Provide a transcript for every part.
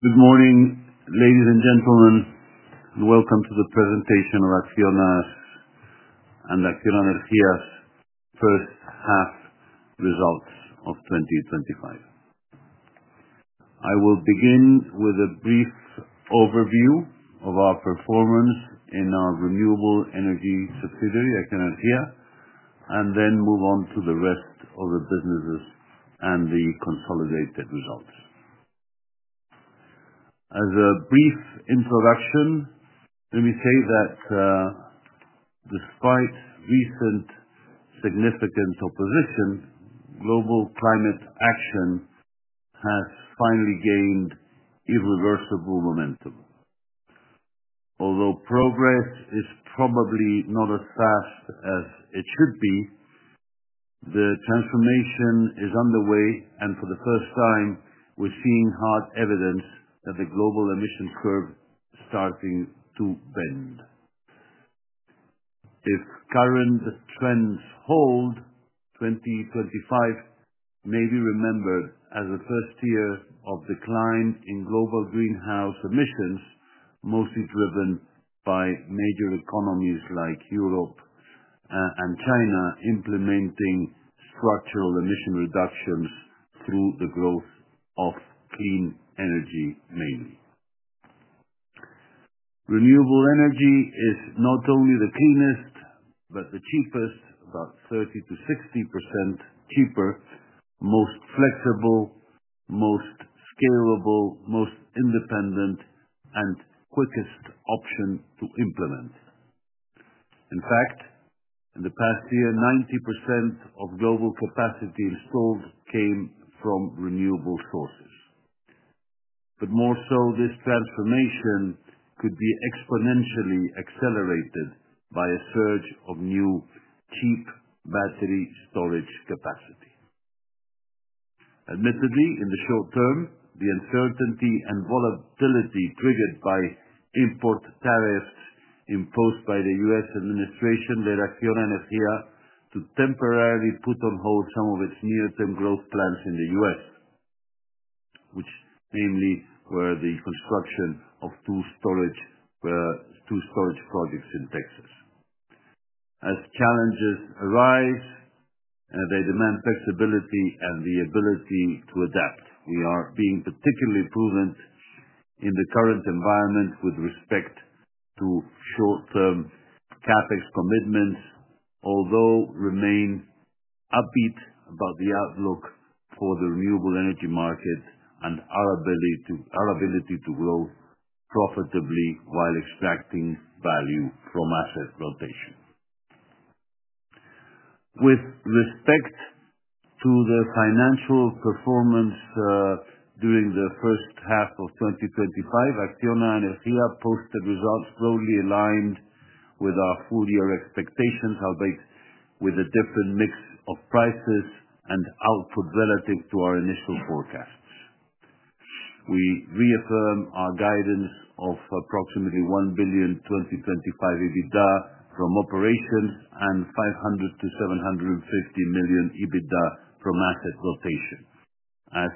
Good morning, ladies and gentlemen. Welcome to the presentation of ACCIONA's and ACCIONA Energía's first half results of 2025. I will begin with a brief overview of our performance in our renewable energy subsidiary, ACCIONA Energía, and then move on to the rest of the businesses and the consolidated results. As a brief introduction, let me say that despite recent significant opposition, global climate action has finally gained irreversible momentum. Although progress is probably not as fast as it should be, the transformation is underway, and for the first time, we're seeing hard evidence that the global emissions curve is starting to bend. If current trends hold, 2025 may be remembered as the first year of decline in global greenhouse emissions, mostly driven by major economies like Europe and China implementing structural emission reductions through the growth of clean energy mainly. Renewable energy is not only the cleanest but the cheapest, about 30%-60% cheaper, most flexible, most scalable, most independent, and quickest option to implement. In fact, in the past year, 90% of global capacity installed came from renewable sources. More so, this transformation could be exponentially accelerated by a surge of new cheap battery storage capacity. Admittedly, in the short term, the uncertainty and volatility triggered by import tariffs imposed by the U.S. administration led ACCIONA Energía to temporarily put on hold some of its near-term growth plans in the U.S., which mainly were the construction of two storage projects in Texas. As challenges arise, they demand flexibility and the ability to adapt. We are being particularly prudent in the current environment with respect to short-term CapEx commitments, although remain upbeat about the outlook for the renewable energy market and our ability to grow profitably while extracting value from asset rotation. With respect to the financial performance during the first half of 2025, ACCIONA Energía's posted results broadly aligned with our full-year expectations, albeit with a different mix of prices and output relative to our initial forecasts. We reaffirm our guidance of approximately 1 billion 2025 EBITDA from operations and 500 million-750 million EBITDA from asset rotation, as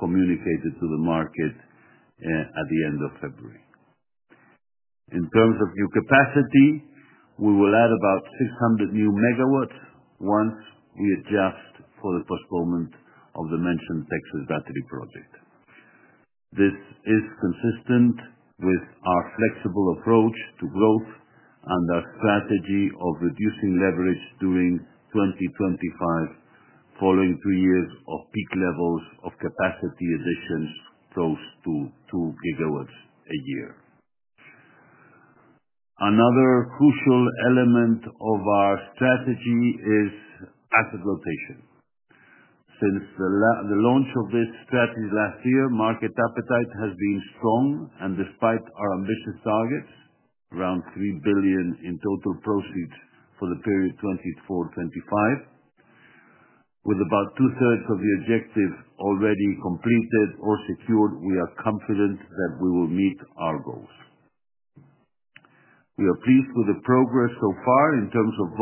communicated to the market at the end of February. In terms of new capacity, we will add about 600 new megawatts once we adjust for the postponement of the mentioned Texas battery project. This is consistent with our flexible approach to growth and our strategy of reducing leverage during 2025, following three years of peak levels of capacity additions close to 2 GW a year. Another crucial element of our strategy is asset rotation. Since the launch of this strategy last year, market appetite has been strong, and despite our ambitious targets, around 3 billion in total proceeds for the period 2024-2025, with about two-thirds of the objectives already completed or secured, we are confident that we will meet our goals. We are pleased with the progress so far in terms of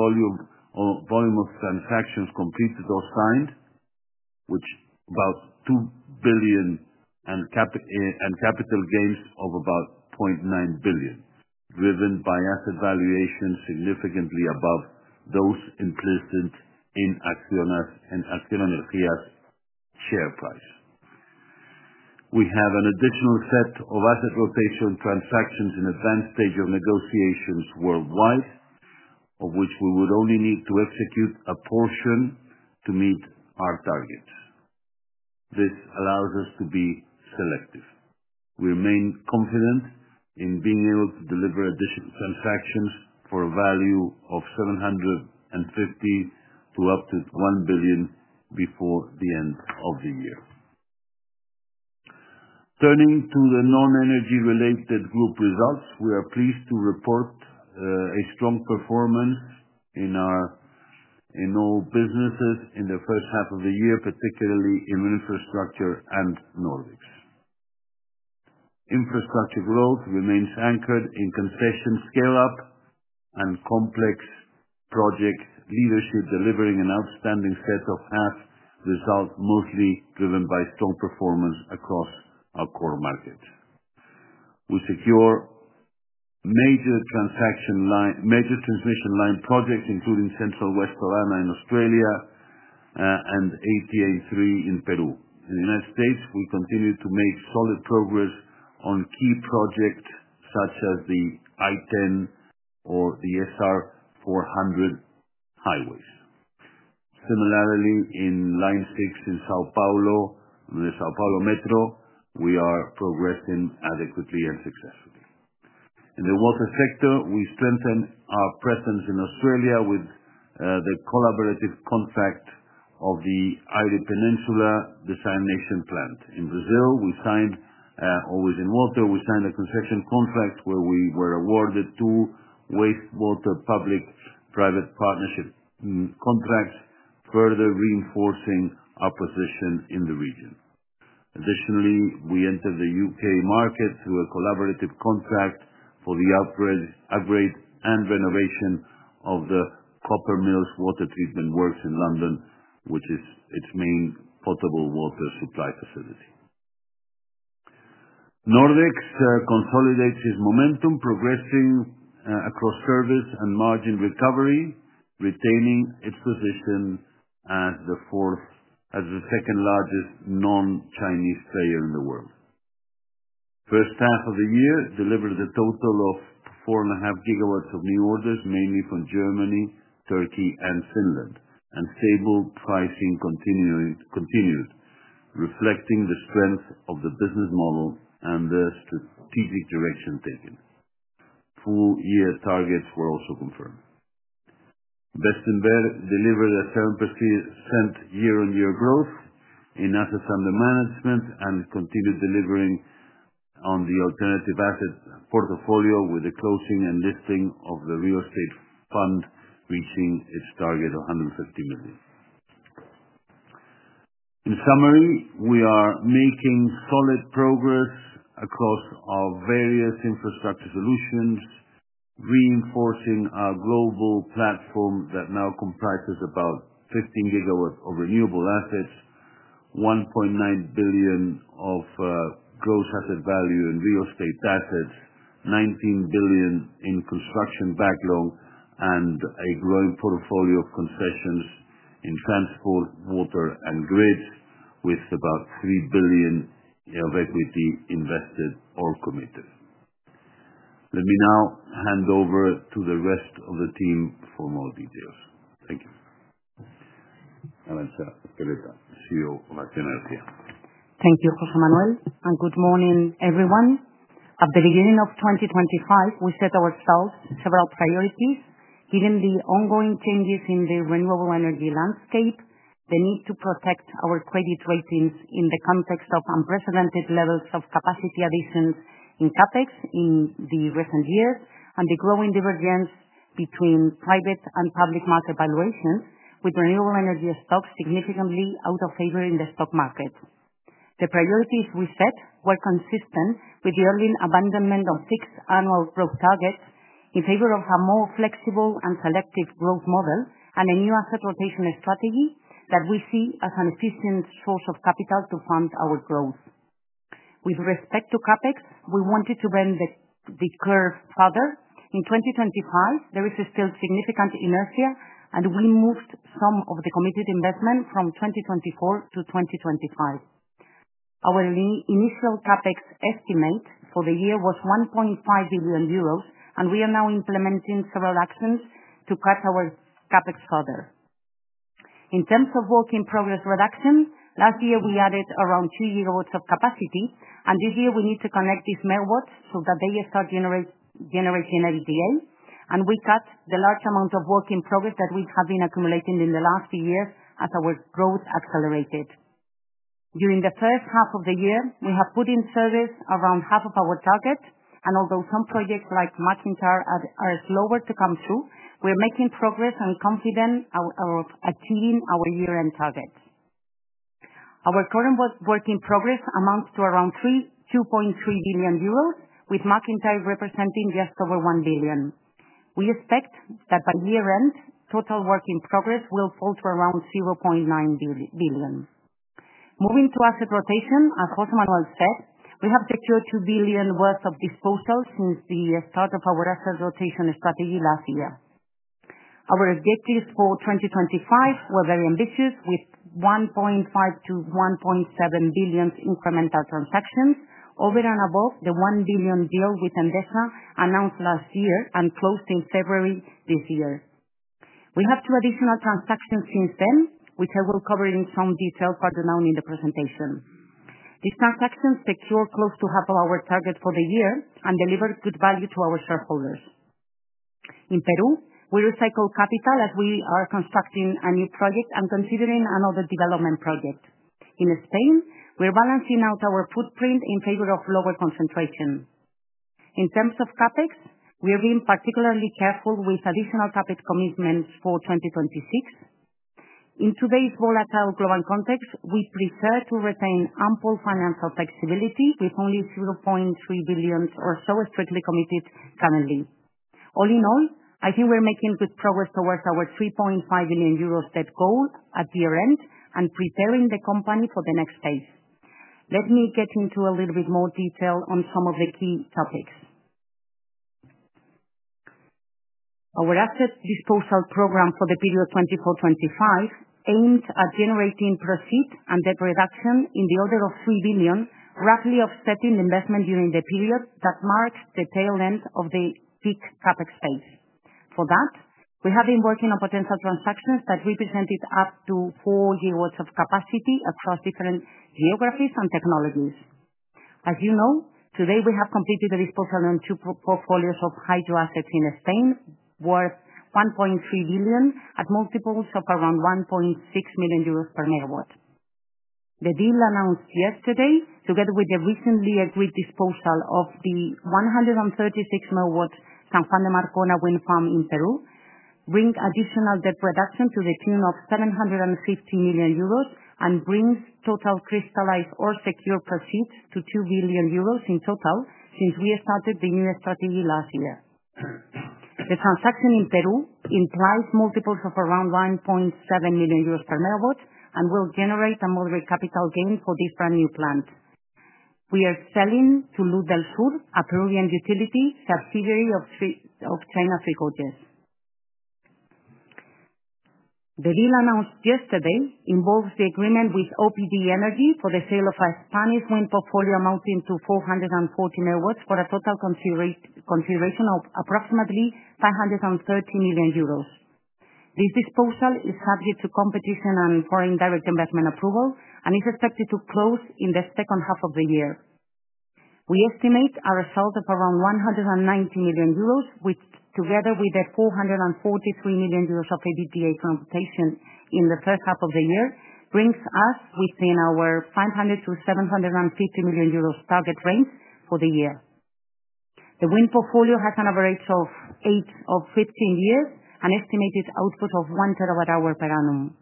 volume of transactions completed or signed, which is about 2 billion and capital gains of about 0.9 billion, driven by asset valuations significantly above those implicit in ACCIONA's and ACCIONA Energía's share price. We have an additional set of asset rotation transactions in advanced stage of negotiations worldwide, of which we would only need to execute a portion to meet our targets. This allows us to be selective. We remain confident in being able to deliver additional transactions for a value of 750 million-1 billion before the end of the year. Turning to the non-energy-related group results, we are pleased to report a strong performance in all businesses in the first half of the year, particularly in infrastructure and knowledge. Infrastructure growth remains anchored in concession scale-up and complex projects, leadership delivering an outstanding set of half results mostly driven by strong performance across our core markets. We secure major transmission line projects, including Central West Carolina in Australia and ATA3 in Peru. In the United States, we continue to make solid progress on key projects such as the I10 or the SR 400 highways. Similarly, in Line 6 in São Paulo, the São Paulo Metro, we are progressing adequately and successfully. In the water sector, we strengthen our presence in Australia with the collaborative contract of the Eyre Peninsula Desalination Plant. In Brazil, always in water, we signed a construction contract where we were awarded two wastewater public-private partnership contracts, further reinforcing our position in the region. Additionally, we entered the U.K. market through a collaborative contract for the upgrade and renovation of the Copper Mills Water Treatment Works in London, which is its main potable water supply facility. Nordex consolidates its momentum, progressing across service and margin recovery, retaining its position as the second largest non-Chinese player in the world. First half of the year delivered a total of 4.5 GW of new orders, mainly from Germany, Turkey, and Finland, and stable pricing continued, reflecting the strength of the business model and the strategic direction taken. Full-year targets were also confirmed. Bestinver delivered a 7% year-on-year growth in assets under management and continued delivering on the alternative asset portfolio with the closing and listing of the real estate fund reaching its target of 150 million. In summary, we are making solid progress across our various infrastructure solutions, reinforcing our global platform that now comprises about 15 GW of renewable assets, 1.9 billion of gross asset value in real estate assets, 19 billion in construction backlog, and a growing portfolio of concessions in transport, water, and grids, with about 3 billion of equity invested or committed. Let me now hand over to the rest of the team for more details. Thank you. Arantza, señora. Thank you, José Manuel. Good morning, everyone. At the beginning of 2025, we set ourselves several priorities. Given the ongoing changes in the renewable energy landscape, the need to protect our credit ratings in the context of unprecedented levels of capacity additions in CapEx in recent years, and the growing divergence between private and public market valuations, with renewable energy stocks significantly out of favor in the stock market, the priorities we set were consistent with the early abandonment of fixed annual growth targets in favor of a more flexible and selective growth model and a new asset rotation strategy that we see as an efficient source of capital to fund our growth. With respect to CapEx, we wanted to bend the curve further. In 2025, there is still significant inertia, and we moved some of the committed investment from 2024 to 2025. Our initial CapEx estimate for the year was 1.5 billion euros, and we are now implementing several actions to cut our CapEx further. In terms of work in progress reduction, last year we added around 2 GW of capacity, and this year we need to connect these megawatts so that they start generating energy again, and we cut the large amount of work in progress that we have been accumulating in the last few years as our growth accelerated. During the first half of the year, we have put in service around half of our targets, and although some projects like MacInTyre are slower to come through, we're making progress and confident of achieving our year-end targets. Our current work in progress amounts to around 2.3 billion euros, with MacInTyre representing just over 1 billion. We expect that by year-end, total work in progress will fall to around 0.9 billion. Moving to asset rotation, as José Manuel said, we have secured 2 billion worth of disposals since the start of our asset rotation strategy last year. Our objectives for 2025 were very ambitious, with 1.5 billion-1.7 billion incremental transactions over and above the 1 billion deal with Endesa announced last year and closed in February this year. We have two additional transactions since then, which I will cover in some detail further down in the presentation. These transactions secure close to half of our target for the year and deliver good value to our shareholders. In Peru, we recycle capital as we are constructing a new project and considering another development project. In Spain, we're balancing out our footprint in favor of lower concentration. In terms of CapEx, we're being particularly careful with additional CapEx commitments for 2026. In today's volatile global context, we prefer to retain ample financial flexibility with only 0.3 billion or so strictly committed currently. All in all, I think we're making good progress towards our 3.5 billion euro step goal at year-end and preparing the company for the next phase. Let me get into a little bit more detail on some of the key topics. Our asset disposal program for the period 2024-2025 aimed at generating proceeds and debt reduction in the order of 3 billion, roughly offsetting the investment during the period that marks the tail end of the peak CapEx phase. For that, we have been working on potential transactions that represented up to 4 GW of capacity across different geographies and technologies. As you know, today we have completed the disposal on two portfolios of hydro assets in Spain worth 1.3 billion at multiples of around 1.6 million euros per megawatt. The deal announced yesterday, together with the recently agreed disposal of the 136 MW San Juan de Marcona wind farm in Peru, brings additional debt reduction to the tune of 750 million euros and brings total crystallized or secured proceeds to 2 billion euros in total since we started the new strategy last year. The transaction in Peru implies multiples of around 1.7 million euros per megawatt and will generate a moderate capital gain for this brand new plant. We are selling to Luz del Sur, a Peruvian utility subsidiary of China Three Gorges. The deal announced yesterday involves the agreement with OPD Energy for the sale of a Spanish wind portfolio amounting to 440 MW for a total consideration of approximately 530 million euros. This disposal is subject to competition and foreign direct investment approval and is expected to close in the second half of the year. We estimate a result of around 190 million euros, which together with the 443 million euros of EBITDA transportation in the first half of the year brings us within our 500 million-750 million euros target range for the year. The wind portfolio has an average of 8 of 15 years and estimated output of 1 TWh per annum.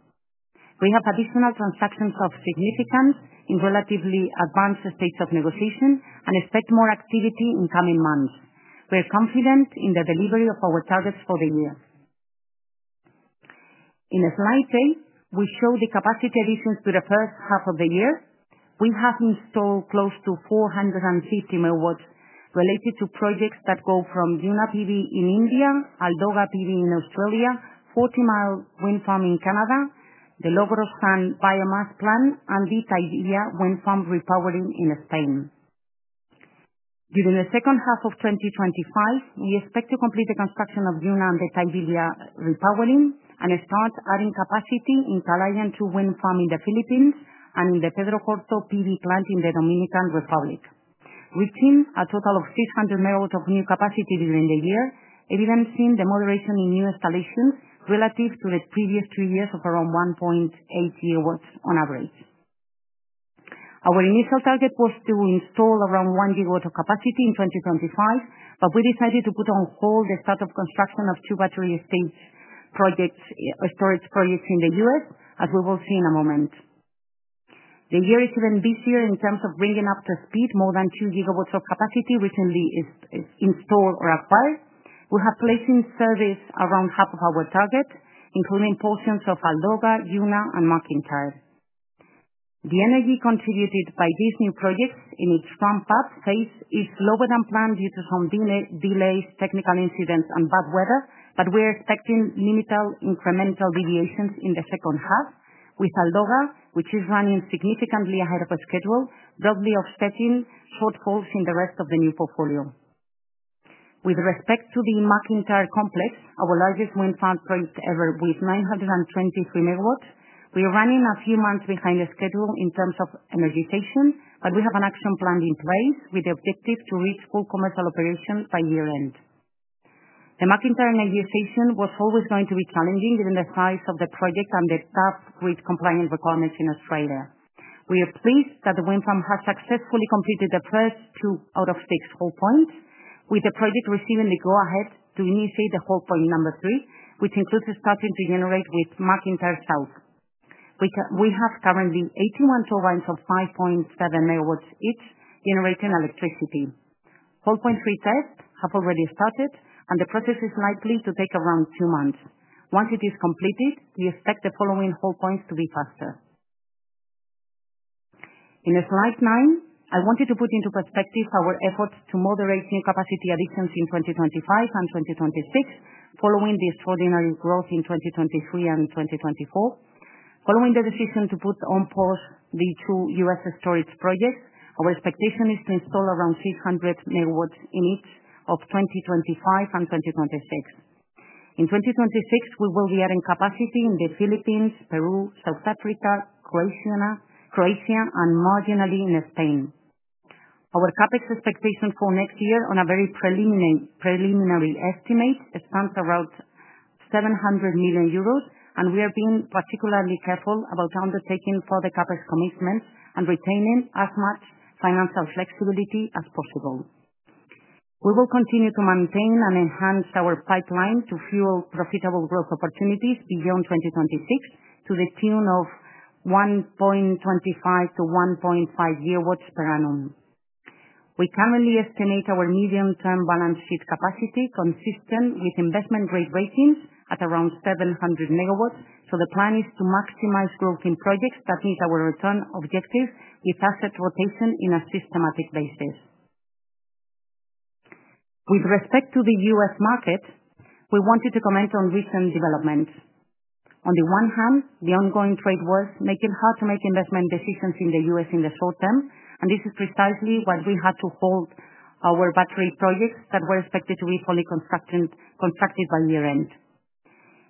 We have additional transactions of significance in relatively advanced stages of negotiation and expect more activity in the coming months. We're confident in the delivery of our targets for the year. In a slide there, we show the capacity additions to the first half of the year. We have installed close to 450 MW related to projects that go from Juna PV in India, Aldoga PV in Australia, Forty Mile Wind Farm in Canada, the Logrosán Biomass Plant, and the Tahivilla Wind Farm Repowering in Spain. During the second half of 2025, we expect to complete the construction of Duna and the Tahivilla Repowering and start adding capacity in Kalayaan II Wind Farm in the Philippines and in the Pedro Corto PV Plant in the Dominican Republic, reaching a total of 600 MW of new capacity during the year, evidencing the moderation in new installations relative to the previous two years of around 1.8 GW on average. Our initial target was to install around 1 GW of capacity in 2025, but we decided to put on hold the start of construction of two battery stage storage projects in the U.S., as we will see in a moment. The year is even busier in terms of bringing up to speed more than 2 GW of capacity recently installed or acquired. We have placed in service around half of our target, including portions of Aldoga, Duna, and MacInTyre. The energy contributed by these new projects in its ramp-up phase is slower than planned due to some delays, technical incidents, and bad weather, but we're expecting limited incremental deviations in the second half, with Aldoga, which is running significantly ahead of the schedule, broadly offsetting shortfalls in the rest of the new portfolio. With respect to the MacInTyre complex, our largest wind farm project ever with 923 MW, we're running a few months behind the schedule in terms of energy station, but we have an action plan in place with the objective to reach full commercial operation by year-end. The MacInTyre energy station was always going to be challenging given the size of the project and the subgrid compliance requirements in Australia. We are pleased that the wind farm has successfully completed the first two out-of-stakes whole points, with the project receiving the go-ahead to initiate the whole point number three, which includes starting to generate with MacInTyre South. We have currently 81 turbines of 5.7 MW each generating electricity. Whole point three tests have already started, and the process is likely to take around two months. Once it is completed, we expect the following whole points to be faster. In slide nine, I wanted to put into perspective our efforts to moderate new capacity additions in 2025 and 2026, following the extraordinary growth in 2023 and 2024. Following the decision to put on pause the two U.S. storage projects, our expectation is to install around 600 MW in each of 2025 and 2026. In 2026, we will be adding capacity in the Philippines, Peru, South Africa, Croatia, and marginally in Spain. Our CapEx expectation for next year, on a very preliminary estimate, spans around 700 million euros, and we are being particularly careful about undertaking further CapEx commitments and retaining as much financial flexibility as possible. We will continue to maintain and enhance our pipeline to fuel profitable growth opportunities beyond 2026 to the tune of 1.25 GW-1.5 GW per annum. We currently estimate our medium-term balance sheet capacity consistent with investment grade ratings at around 700 megawatts, so the plan is to maximize growth in projects that meet our return objectives with asset rotation in a systematic basis. With respect to the U.S. market, we wanted to comment on recent developments. On the one hand, the ongoing trade wars make it hard to make investment decisions in the U.S. in the short term, and this is precisely why we had to hold our battery projects that were expected to be fully constructed by year-end.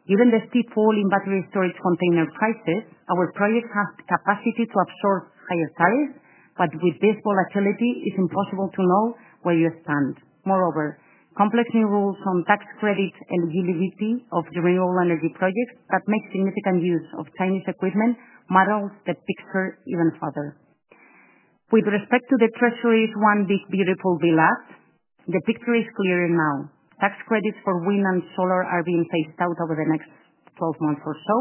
Given the steep fall in battery storage container prices, our project has the capacity to absorb higher tariffs, but with this volatility, it's impossible to know where you stand. Moreover, complex new rules on tax credit eligibility of renewable energy projects that make significant use of Chinese equipment muddle the picture even further. With respect to the treasuries on this particular bill, the picture is clearer now. Tax credits for wind and solar are being phased out over the next 12 months or so,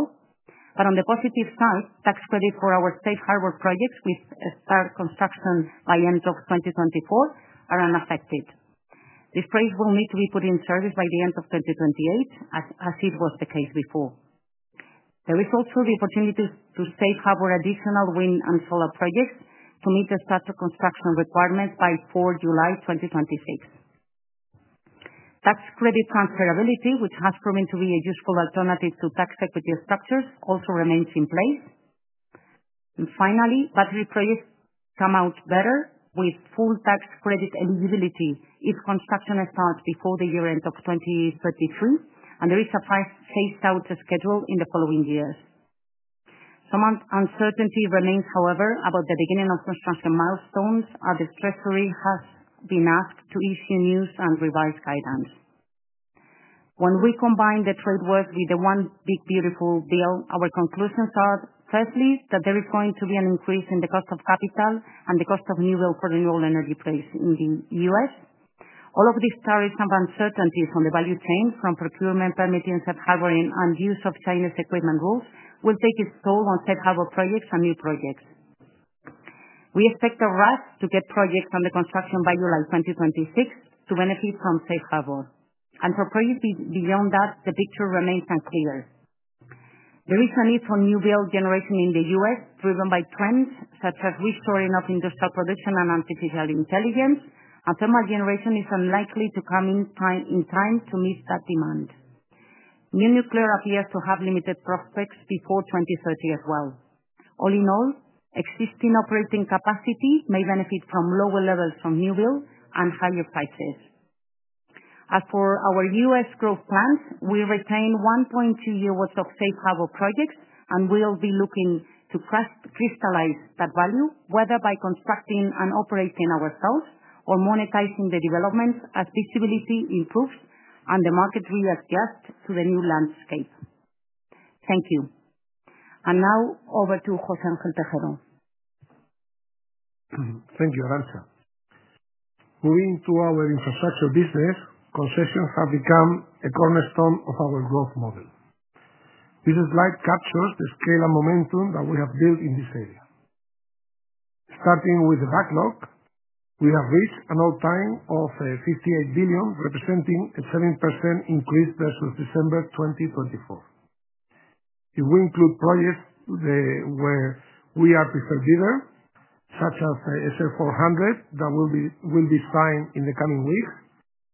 but on the positive side, tax credits for our safe harbor projects with start construction by the end of 2024 are unaffected. These projects will need to be put in service by the end of 2028, as was the case before. There is also the opportunity to safe harbor additional wind and solar projects to meet the statutory construction requirements by 4 July 2026. Tax credit transferability, which has proven to be a useful alternative to tax equity structures, also remains in place. Finally, battery projects come out better with full tax credit eligibility if construction is not before the year-end of 2023, and there is a phased-out schedule in the following years. Some uncertainty remains, however, about the beginning of construction milestones as the Treasury has been asked to issue new and revised guidelines. When we combine the trade wars with the one big beautiful bill, our conclusions are firstly that there is going to be an increase in the cost of capital and the cost of renewable energy price in the U.S. All of these tariffs and uncertainties on the value chain from procurement, permitting, safe harboring, and use of Chinese equipment rules will take its toll on safe harbor projects and new projects. We expect a rush to get projects under construction by July 2026 to benefit from safe harbor. For projects beyond that, the picture remains unclear. The reason is for new bill generation in the U.S., driven by trends such as restoring of industrial production and artificial intelligence, and thermal generation is unlikely to come in time to meet that demand. New nuclear appears to have limited prospects before 2030 as well. All in all, existing operating capacity may benefit from lower levels from new bills and higher prices. As for our U.S. growth plans, we retain 1.2 GW of safe harbor projects and will be looking to crystallize that value, whether by constructing and operating ourselves or monetizing the developments as feasibility improves and the market readjusts to the new landscape. Thank you. Now over to José Ángel Tejero. Thank you, Arantza. Moving to our infrastructure business, concessions have become a cornerstone of our growth model. This slide captures the scale and momentum that we have built in this area. Starting with the backlog, we have reached an all-time of 58 billion, representing a 7% increase versus December 2024. If we include projects where we are preferred bidder, such as the SF400 that will be signed in the coming weeks,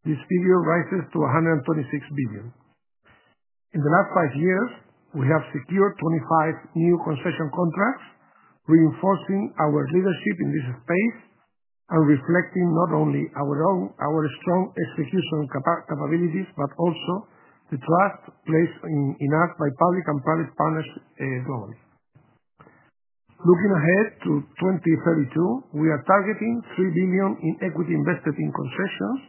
this figure rises to 126 billion. In the last five years, we have secured 25 new concession contracts, reinforcing our leadership in this space and reflecting not only our strong execution capabilities, but also the trust placed in us by public and private partners globally. Looking ahead to 2032, we are targeting 3 billion in equity invested in concessions,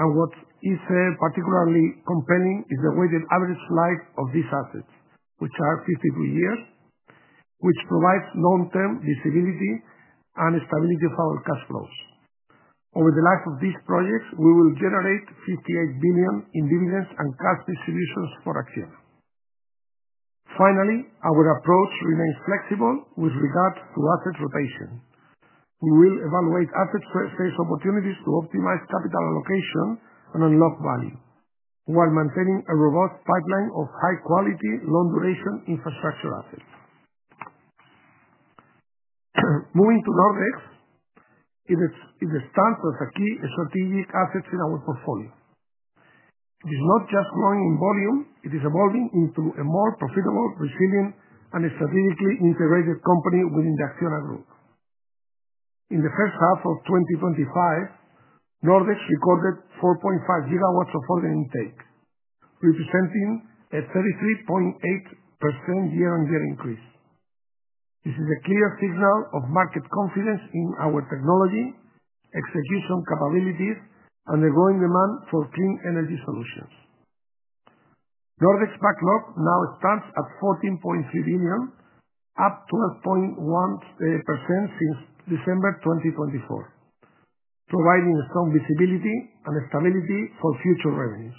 and what is particularly compelling is the weighted average life of these assets, which is 52 years, which provides long-term visibility and stability of our cash flows. Over the life of these projects, we will generate 58 billion in dividends and cash distributions for ACCIONA. Finally, our approach remains flexible with regard to asset rotation. We will evaluate asset space opportunities to optimize capital allocation and unlock value while maintaining a robust pipeline of high-quality, long-duration infrastructure assets. Moving to Nordex, it stands as a key strategic asset in our portfolio. It is not just growing in volume; it is evolving into a more profitable, resilient, and strategically integrated company within the ACCIONA Group. In the first half of 2025, Nordex recorded 4.5 GW of order intake, representing a 33.8% year-on-year increase. This is a clear signal of market confidence in our technology, execution capabilities, and the growing demand for clean energy solutions. Nordex's backlog now stands at 14.3 billion, up 12.1% since December 2024, providing strong visibility and stability for future revenues.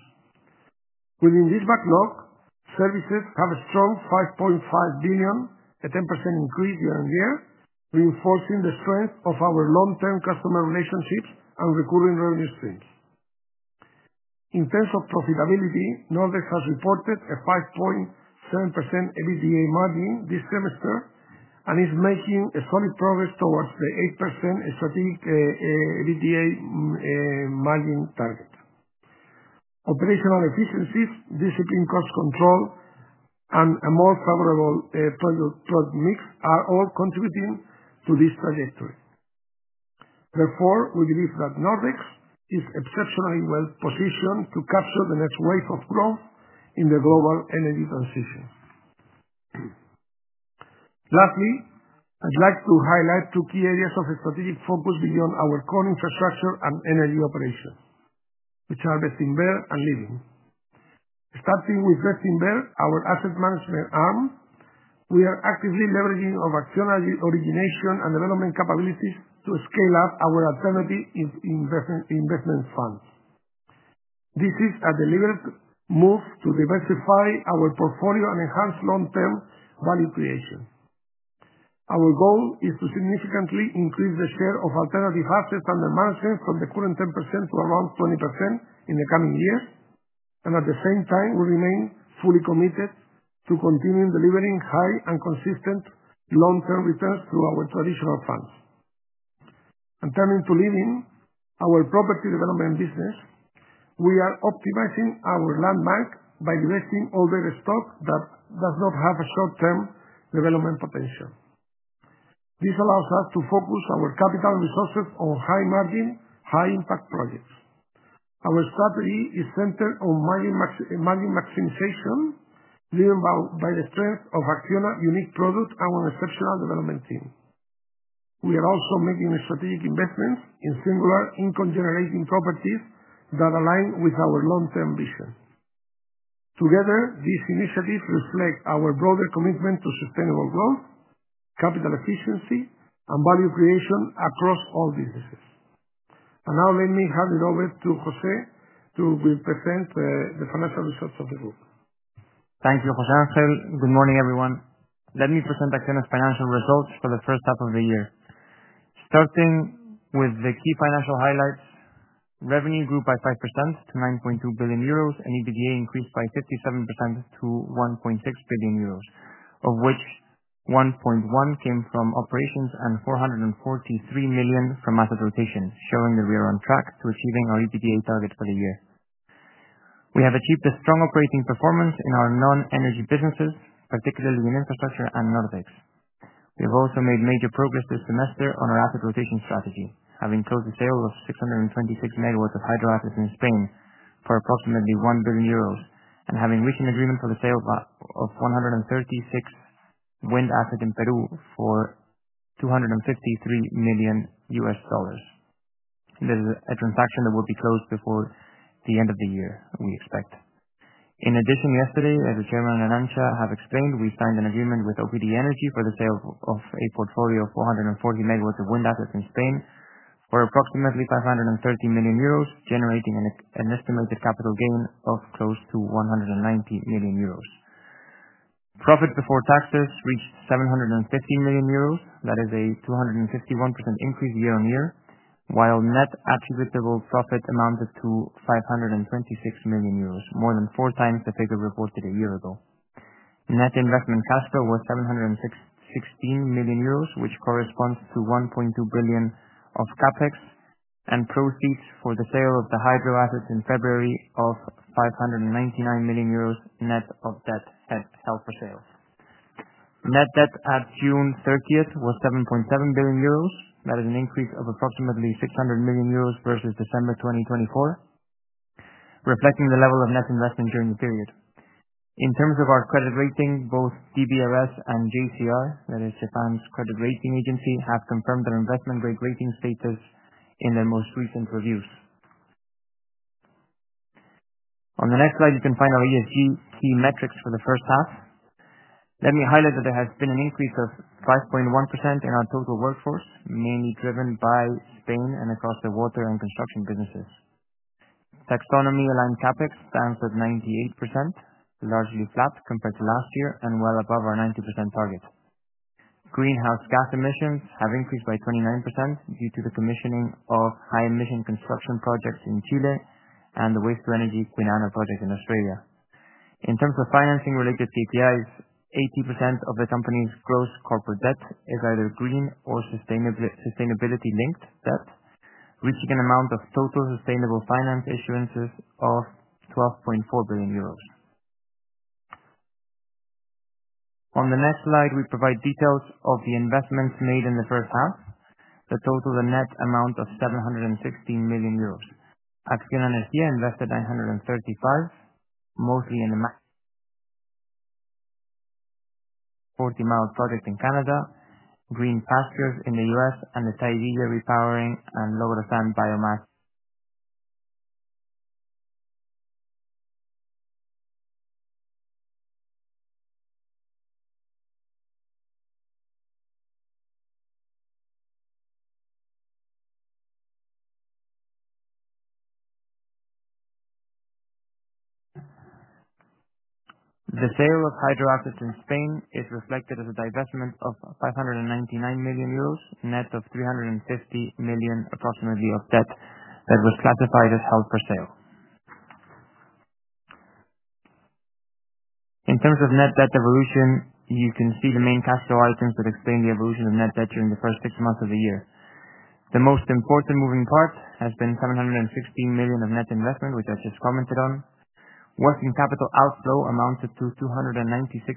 Within this backlog, services have a strong 5.5 billion, a 10% increase year-on-year, reinforcing the strength of our long-term customer relationships and recurring revenue streams. In terms of profitability, Nordex has reported a 5.7% EBITDA margin this semester and is making solid progress towards the 8% strategic EBITDA margin target. Operational efficiencies, disciplined cost control, and a more favorable product mix are all contributing to this trajectory. Therefore, we believe that Nordex is exceptionally well positioned to capture the next wave of growth in the global energy transition. Lastly, I'd like to highlight two key areas of strategic focus beyond our core infrastructure and energy operations, which are Bestinver and Living. Starting with Bestinver, our asset management arm, we are actively leveraging our ACCIONA origination and development capabilities to scale up our alternative investment funds. This is a deliberate move to diversify our portfolio and enhance long-term value creation. Our goal is to significantly increase the share of alternative assets under management from the current 10% to around 20% in the coming years, and at the same time, we remain fully committed to continuing delivering high and consistent long-term returns through our traditional funds. Turning to Living, our property development business, we are optimizing our landmark by investing in all the stock that does not have a short-term development potential. This allows us to focus our capital and resources on high-margin, high-impact projects. Our strategy is centered on margin maximization, driven by the strength of ACCIONA's unique product and our exceptional development team. We are also making strategic investments in singular income-generating properties that align with our long-term vision. Together, these initiatives reflect our broader commitment to sustainable growth, capital efficiency, and value creation across all businesses. Now, let me hand it over to José to present the financial results of the group. Thank you, José. Good morning, everyone. Let me present ACCIONAs financial results for the first half of the year. Starting with the key financial highlights, revenue grew by 5% to 9.2 billion euros, and EBITDA increased by 57% to 1.6 billion euros, of which 1.1 billion came from operations and 443 million from asset rotation, showing that we are on track to achieving our EBITDA target for the year. We have achieved a strong operating performance in our non-energy businesses, particularly in infrastructure and Nordex. We have also made major progress this semester on our asset rotation strategy, having closed the sale of 626 MW of hydro assets in Spain for approximately 1 billion euros and having reached an agreement for the sale of 136 wind assets in Peru for $253 million. This is a transaction that will be closed before the end of the year, we expect. In addition, yesterday, as the Chairman and Arantza have explained, we signed an agreement with OPD Energy for the sale of a portfolio of 440 MW of wind assets in Spain for approximately 530 million euros, generating an estimated capital gain of close to 190 million euros. Profit before taxes reached 750 million euros. That is a 251% increase year-on-year, while net attributable profit amounted to 526 million euros, more than four times the figure reported a year ago. Net investment cash flow was 716 million euros, which corresponds to 1.2 billion of CapEx and proceeds for the sale of the hydro assets in February of 599 million euros net of debt at sell for sale. Net debt at June 30th was 7.7 billion euros. That is an increase of approximately 600 million euros versus December 2024, reflecting the level of net investment during the period. In terms of our credit rating, both DBRS and JCR, that is Japan's credit rating agency, have confirmed their investment grade rating status in their most recent reviews. On the next slide, you can find our ESG key metrics for the first half. Let me highlight that there has been an increase of 5.1% in our total workforce, mainly driven by Spain and across the water and construction businesses. Taxonomy-aligned CapEx stands at 98%, largely flat compared to last year and well above our 90% target. Greenhouse gas emissions have increased by 29% due to the commissioning of high-emission construction projects in Chile and the wastewater energy Kwinana project in Australia. In terms of financing-related KPIs, 80% of the company's gross corporate debt is either green or sustainability-linked debt, reaching an amount of total sustainable finance issuances of 12.4 billion euros. On the next slide, we provide details of the investments made in the first half, the total net amount of 715 million euros. ACCIONA Energía invested 935 million, mostly in the Forty Mile project in Canada, Green Pastures in the U.S., and the Tahivilla Repowering and Logrosán Biomass. The sale of hydro assets in Spain is reflected as a divestment of 599 million euros, a net of approximately 350 million of debt that was classified as held for sale. In terms of net debt evolution, you can see the main cash flow items that explain the evolution of net debt during the first six months of the year. The most important moving part has been 715 million of net investment, which I just commented on. Working capital outflow amounted to 296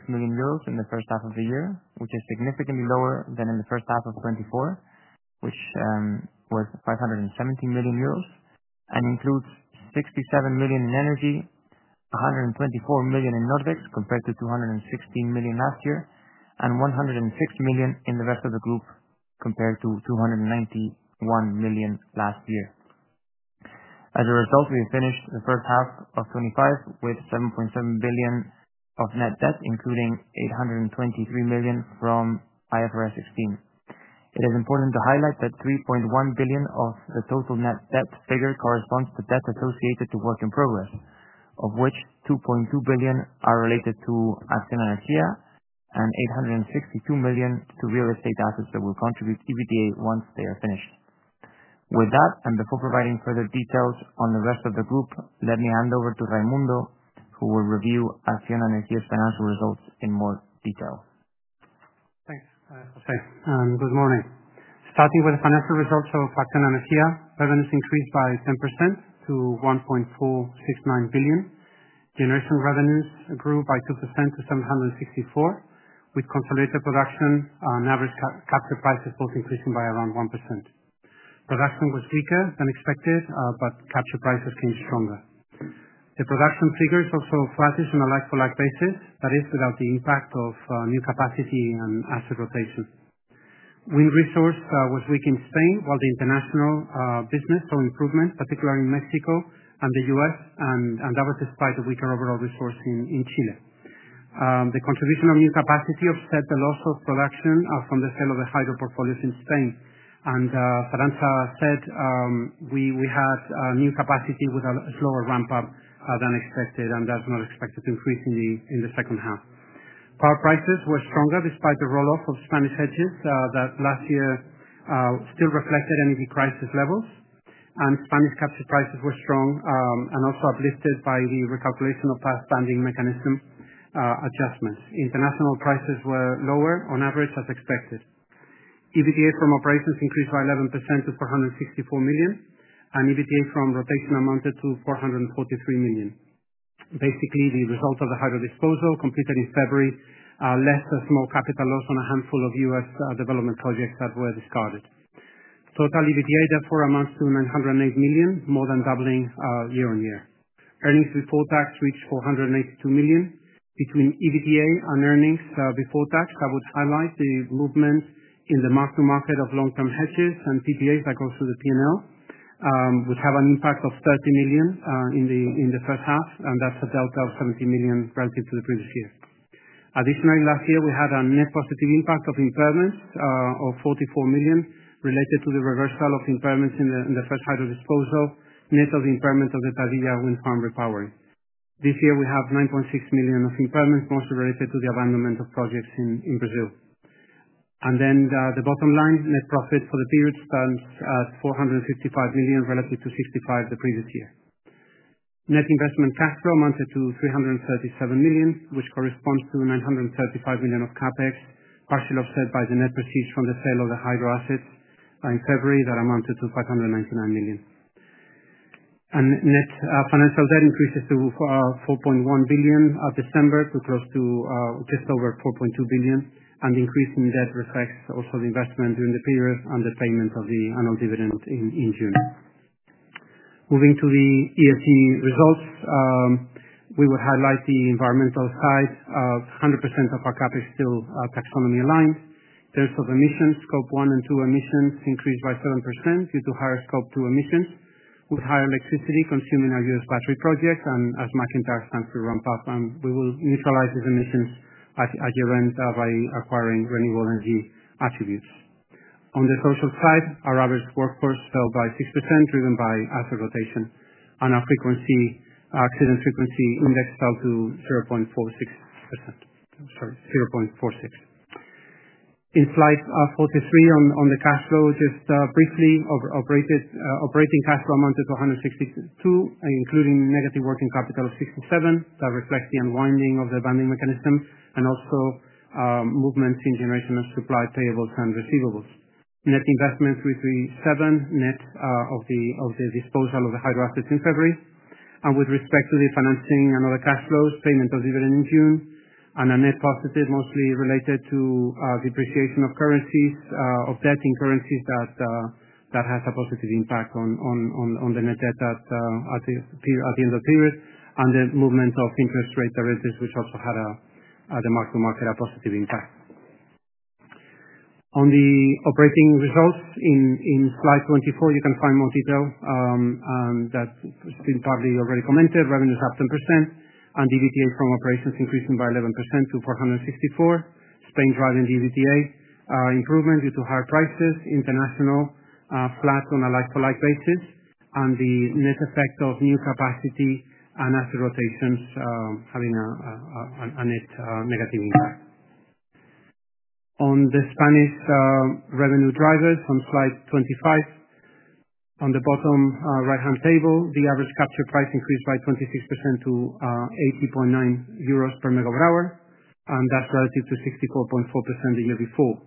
million euros in the first half of the year, which is significantly lower than in the first half of 2024, which was 517 million euros and includes 67 million in energy, 124 million in Nordex compared to 216 million last year, and 106 million in the rest of the group compared to 291 million last year. As a result, we finished the first half of 2025 with 7.7 billion of net debt, including 823 million from IFRS 16. It is important to highlight that 3.1 billion of the total net debt figure corresponds to debt associated to work in progress, of which 2.2 billion are related to ACCIONA Energía and 862 million to real estate assets that will contribute EBITDA once they are finished. With that and before providing further details on the rest of the group, let me hand over to Raimundo, who will review ACCIONA Energía's financial results in more detail. Thanks, José. Good morning. Starting with the financial results of ACCIONA Energía, revenues increased by 10% to 1.469 billion. Generation revenues grew by 2% to 764 million, with consolidated production and average capture prices both increasing by around 1%. Production was weaker than expected, but capture prices came stronger. The production figures also flatted on a like-for-like basis, that is, without the impact of new capacity and asset rotation. Wind resource was weak in Spain, while the international business saw improvements, particularly in Mexico and the U.S., and that was despite the weaker overall resource in Chile. The contribution of new capacity offset the loss of production from the sale of the hydro portfolios in Spain. Arantza said we had new capacity with a slower ramp-up than expected, and that's not expected to increase in the second half. Power prices were stronger despite the rolloff of Spanish hedges that last year still reflected energy crisis levels, and Spanish capture prices were strong and also uplifted by the recalculation of past spending mechanism adjustments. International prices were lower on average as expected. EBITDA from operations increased by 11% to 464 million, and EBITDA from rotation amounted to 443 million. Basically, the result of the hydro disposal completed in February left a small capital loss on a handful of U.S. development projects that were discarded. Total EBITDA, therefore, amounts to 908 million, more than doubling year-on-year. Earnings before tax reached 482 million. Between EBITDA and earnings before tax, I would highlight the movement in the market of long-term hedges and PPAs that go through the P&L, which have an impact of 30 million in the first half, and that's a delta of 70 million relative to the previous year. Additionally, last year we had a net positive impact of impairments of 44 million related to the reversal of impairments in the first hydro disposal, net of the impairment of the Tahivilla Wind Farm Repowering. This year we have 9.6 million of impairments, mostly related to the abandonment of projects in Brazil. The bottom line, net profit for the period stands at 455 million relative to 65 million the previous year. Net investment cash flow amounted to 337 million, which corresponds to 935 million of CapEx, partially offset by the net proceeds from the sale of the hydro assets in February that amounted to 599 million. Net financial debt increases to 4.1 billion at December to just over 4.2 billion, and the increase in debt reflects also the investment during the period and the payment of the annual dividend in June. Moving to the ESG results, we would highlight the environmental side. 100% of our CapEx is still taxonomy-aligned. In terms of emissions, Scope 1 and 2 emissions increased by 7% due to higher Scope 2 emissions. With higher electricity consumed in our U.S. battery projects, and as MacInTyre stands to ramp up, we will neutralize these emissions by acquiring renewable energy attributes. On the social side, our average workforce fell by 6%, driven by asset rotation, and our accident frequency index fell to 0.46. In slide 43, on the cash flow, just briefly, operating cash flow amounted to 162 million, including negative working capital of 67 million. That reflects the unwinding of the abandoned mechanism and also movements in generation of supply payables and receivables. Net investment 337 million, net of the disposal of the hydro assets in February. With respect to the financing and other cash flows, payment of dividend in June, and a net positive mostly related to depreciation of debt in currencies that has a positive impact on the net debt at the end of the period, and the movement of interest rate derivatives, which also had a positive impact on the market. On the operating results, in slide 24, you can find more detail. That's been partly already commented. Revenues up 10%, and EBITDA from operations increasing by 11% to 464 million. Spain driving EBITDA improvement due to higher prices. International flat on a like-for-like basis, and the net effect of new capacity and asset rotations having a net negative impact. On the Spanish revenue drivers, on slide 25, on the bottom right-hand table, the average capture price increased by 26% to 80.9 euros per megawatt-hour, and that's relative to 64.4 the year before.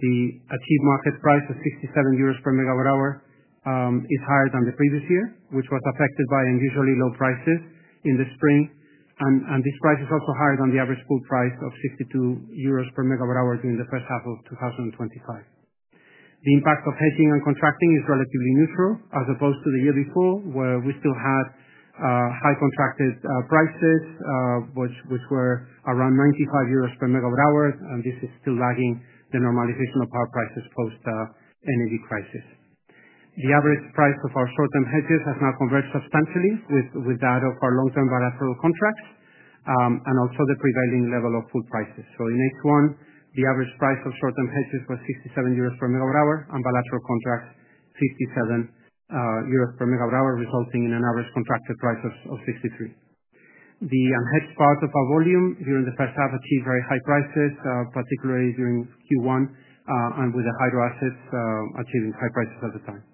The achieved market price of 67 euros per megawatt-hour is higher than the previous year, which was affected by unusually low prices in the spring, and this price is also higher than the average full price of 62 euros per megawatt-hour during the first half of 2025. The impact of hedging and contracting is relatively neutral as opposed to the year before, where we still had high contracted prices, which were around 95 euros per megawatt-hour, and this is still lagging the normalization of our prices post-energy crisis. The average price of our short-term hedges has now converged substantially with that of our long-term bilateral contracts and also the prevailing level of pool prices. In H1, the average price of short-term hedges was 67 euros per megawatt-hour, and bilateral contracts 57 euros per megawatt-hour, resulting in an average contracted price of 63. The unhedged part of our volume during the first half achieved very high prices, particularly during Q1, with the hydro assets achieving high prices at the time.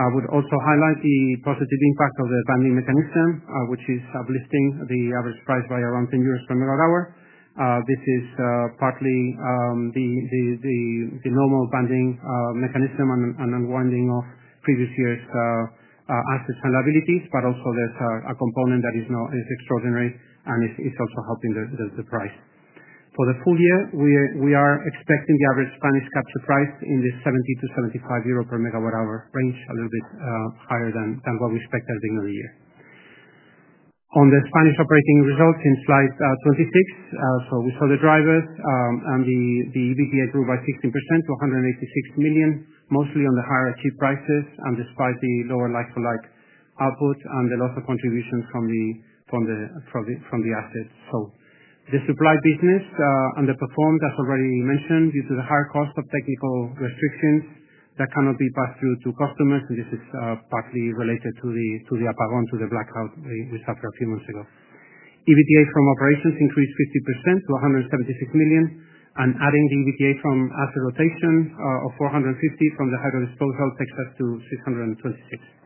I would also highlight the positive impact of the abandoned mechanism, which is uplifting the average price by around 10 euros per megawatt-hour. This is partly the normal abandoning mechanism and unwinding of previous year's assets and liabilities, but also there's a component that is extraordinary and is also helping the price. For the full year, we are expecting the average Spanish capture price in the 70-75 euro per megawatt-hour range, a little bit higher than what we expected at the beginning of the year. On the Spanish operating results in slide 26, we saw the drivers, and the EBITDA grew by 16% to 186 million, mostly on the higher achieved prices and despite the lower like-for-like output and the loss of contributions from the assets. The supply business underperformed, as already mentioned, due to the higher cost of technical restrictions that cannot be passed through to customers, and this is partly related to the apagón, to the blackout we suffered a few months ago. EBITDA from operations increased 50% to 176 million, and adding the EBITDA from asset rotation of 450 million from the hydro disposal takes us to 626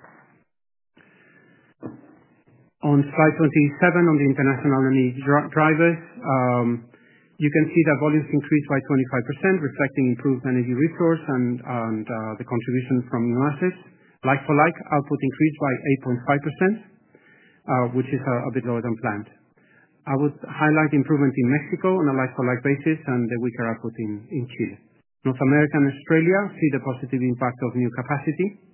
million. On slide 27, on the international energy drivers, you can see that volumes increased by 25%, reflecting improved energy resource and the contribution from new assets. Like-for-like output increased by 8.5%, which is a bit lower than planned. I would highlight the improvements in Mexico on a like-for-like basis and the weaker output in Chile. North America and Australia see the positive impact of new capacity.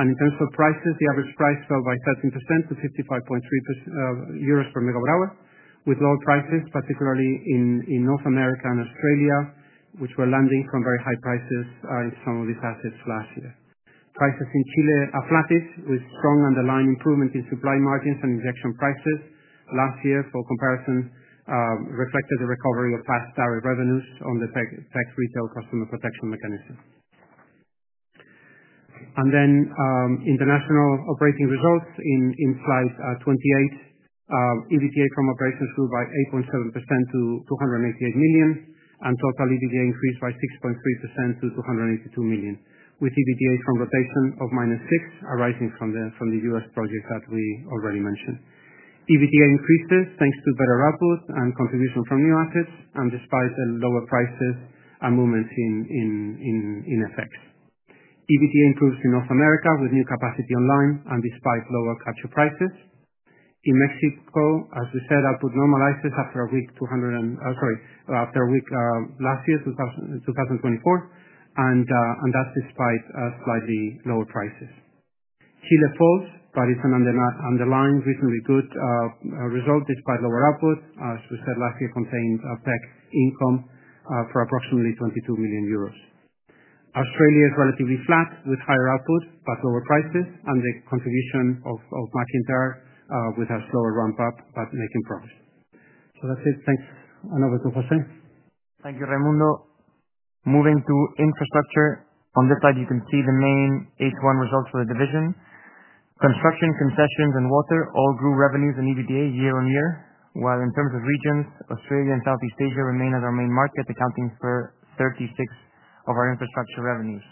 In terms of prices, the average price fell by 13% to 55.3 euros per megawatt-hour, with lower prices, particularly in North America and Australia, which were landing from very high prices in some of these assets last year. Prices in Chile are flattish, with strong underlying improvement in supply margins and injection prices last year for comparison, reflected the recovery of past direct revenues on the tax retail customer protection mechanism. International operating results in slide 28, EBITDA from operations grew by 8.7% to 288 million, and total EBITDA increased by 6.3% to 282 million, with EBITDA from rotation of -6, arising from the U.S. project that we already mentioned. EBITDA increases thanks to better output and contribution from new assets, and despite the lower prices and movements in FX. EBITDA improves in North America with new capacity online and despite lower capture prices. In Mexico, as we said, output normalizes after a weak last year, 2024, and that's despite slightly lower prices. Chile falls, but it's an underlying reasonably good result despite lower output. As we said, last year contained a PEG income for approximately 22 million euros. Australia is relatively flat with higher output but lower prices, and the contribution of MacInTyre with a slower ramp-up but making progress. That's it. Thanks. Over to José. Thank you, Raimundo. Moving to infrastructure, on this slide, you can see the main H1 results for the division. Construction, concessions, and water all grew revenues and EBITDA year-on-year, while in terms of regions, Australia and Southeast Asia remain as our main market, accounting for 36% of our infrastructure revenues.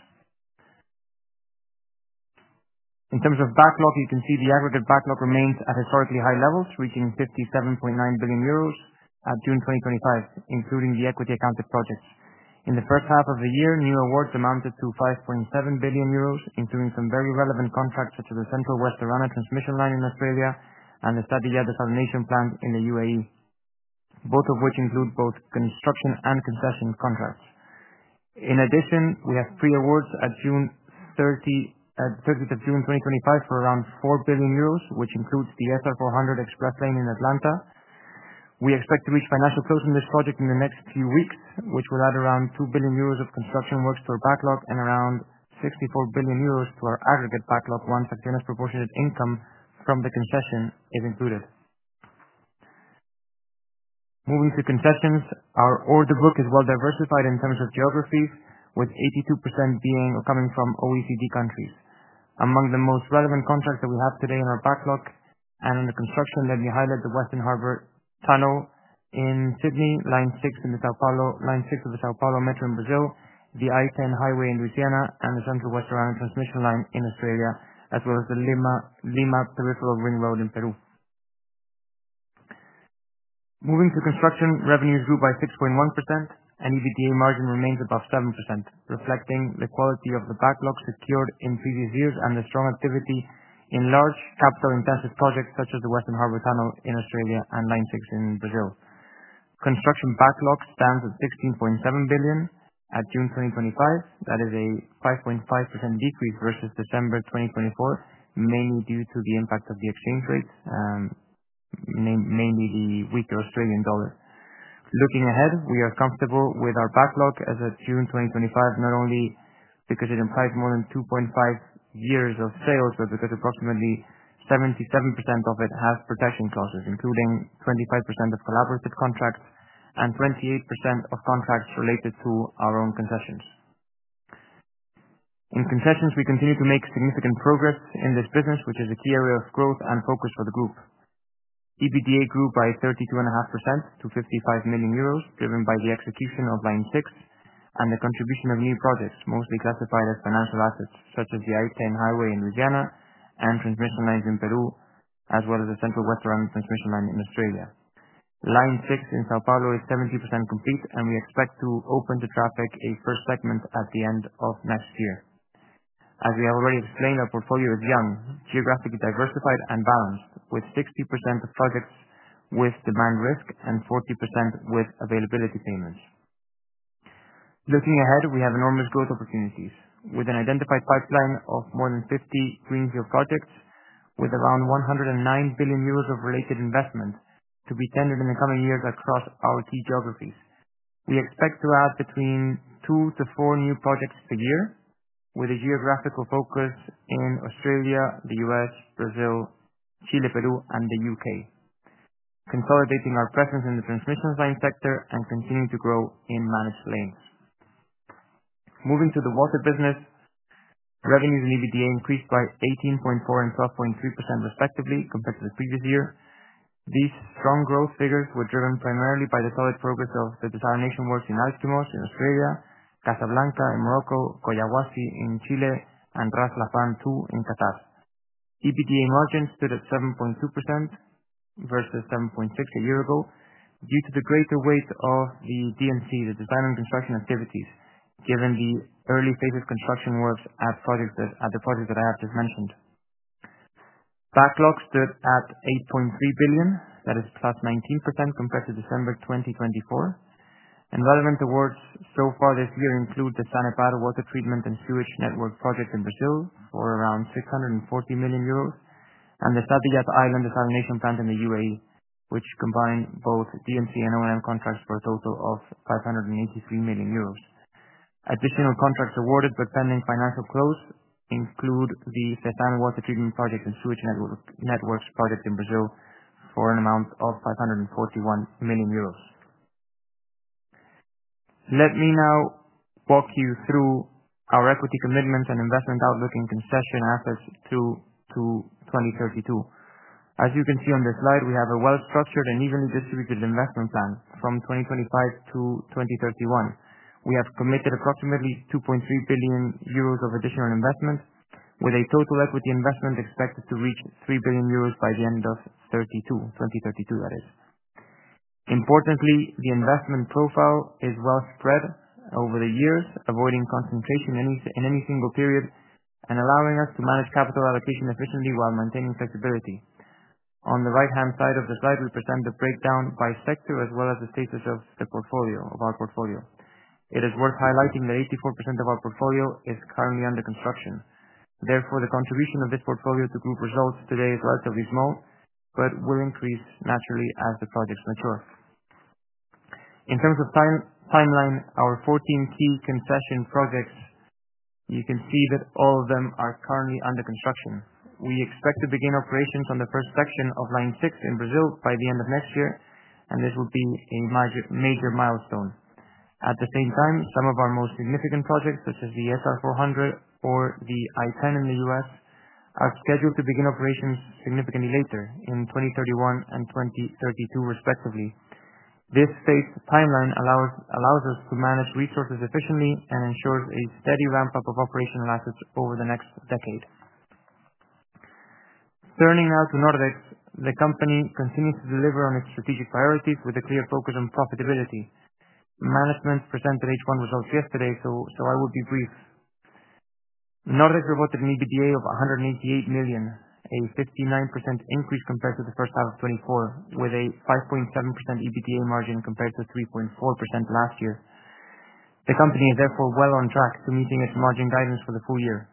In terms of backlog, you can see the aggregate backlog remains at historically high levels, reaching 57.9 billion euros at June 2025, including the equity accounted projects. In the first half of the year, new awards amounted to 5.7 billion euros, including some very relevant contracts such as the Central West Orana transmission line in Australia and the Saadiyat Desalination Plant in the UAE, both of which include both construction and concession contracts. In addition, we have pre-awards at 30th of June 2025 for around 4 billion euros, which includes the SR 400 express lane in Atlanta. We expect to reach financial closing this project in the next few weeks, which will add around 2 billion euros of construction works to our backlog and around 54 billion euros to our aggregate backlog once ACCIONA's proportionate income from the concession is included. Moving to concessions, our order book is well diversified in terms of geographies, with 82% coming from OECD countries. Among the most relevant contracts that we have today in our backlog and on the construction, let me highlight the Western Harbour Tunnel in Sydney, Line 6 in the São Paulo Metro in Brazil, the I10 highway in Louisiana, and the Central West Orana transmission line in Australia, as well as the Lima Peripheral Ring Road in Peru. Moving to construction, revenues grew by 6.1%, and EBITDA margin remains above 7%, reflecting the quality of the backlog secured in previous years and the strong activity in large capital-intensive projects such as the Western Harbour Tunnel in Australia and Line 6 in Brazil. Construction backlog stands at 16.7 billion at June 2025. That is a 5.5% decrease versus December 2024, mainly due to the impact of the exchange rates, mainly the weaker Australian dollar. Looking ahead, we are comfortable with our backlog as of June 2025, not only because it implies more than 2.5 years of sales, but because approximately 77% of it has protection clauses, including 25% of collaborative contracts and 28% of contracts related to our own concessions. In concessions, we continue to make significant progress in this business, which is a key area of growth and focus for the group. EBITDA grew by 32.5% to 55 million euros, driven by the execution of Line 6 and the contribution of new projects, mostly classified as financial assets, such as the I10 highway in Louisiana and transmission lines in Peru, as well as the Central West Orana transmission line in Australia. Line 6 in São Paulo is 70% complete, and we expect to open to traffic a first segment at the end of next year. As we have already explained, our portfolio is young, geographically diversified, and balanced, with 60% of projects with demand risk and 40% with availability payments. Looking ahead, we have enormous growth opportunities with an identified pipeline of more than 50 greenfield projects, with around 109 billion euros of related investment to be tendered in the coming years across our key geographies. We expect to add between two to four new projects per year, with a geographical focus in Australia, the U.S., Brazil, Chile, Peru, and the U.K., consolidating our presence in the transmission line sector and continuing to grow in managed lanes. Moving to the water business, revenues and EBITDA increased by 18.4% and 12.3% respectively compared to the previous year. These strong growth figures were driven primarily by the solid progress of the desalination works in Alkimos in Australia, Casablanca in Morocco, Collahuasi in Chile, and Ras Laffan 2 in Qatar. EBITDA margins stood at 7.2% versus 7.6% a year ago due to the greater weight of the D&C, the design and construction activities, given the early phases of construction works at the projects that I have just mentioned. Backlog stood at 8.3 billion, that is +19% compared to December 2024. Relevant awards so far this year include the Sanepar water treatment and sewage network project in Brazil for around 640 million euros, and the Saadiyat Island desalination plant in the UAE, which combined both D&C and O&M contracts for a total of 583 million euros. Additional contracts awarded but pending financial close include the Cesan water treatment project and sewage networks project in Brazil for an amount of 541 million euros. Let me now walk you through our equity commitments and investment outlook in concession assets through to 2032. As you can see on this slide, we have a well-structured and evenly distributed investment plan from 2025 to 2031. We have committed approximately 2.3 billion euros of additional investment, with a total equity investment expected to reach 3 billion euros by the end of 2032, that is. Importantly, the investment profile is well spread over the years, avoiding concentration in any single period and allowing us to manage capital allocation efficiently while maintaining flexibility. On the right-hand side of the slide, we present the breakdown by sector as well as the status of the portfolio, of our portfolio. It is worth highlighting that 84% of our portfolio is currently under construction. Therefore, the contribution of this portfolio to group results today is relatively small, but will increase naturally as the projects mature. In terms of timeline, our 14 key concession projects, you can see that all of them are currently under construction. We expect to begin operations on the first section of Line 6 in Brazil by the end of next year, and this will be a major milestone. At the same time, some of our most significant projects, such as the SR 400 or the I10 in the U.S., are scheduled to begin operations significantly later in 2031 and 2032, respectively. This state timeline allows us to manage resources efficiently and ensures a steady ramp-up of operational assets over the next decade. Turning now to Nordex, the company continues to deliver on its strategic priorities with a clear focus on profitability. Management presented H1 results yesterday, so I will be brief. Nordex reported an EBITDA of 188 million, a 59% increase compared to the first half of 2024, with a 5.7% EBITDA margin compared to 3.4% last year. The company is therefore well on track to meeting its margin guidance for the full year.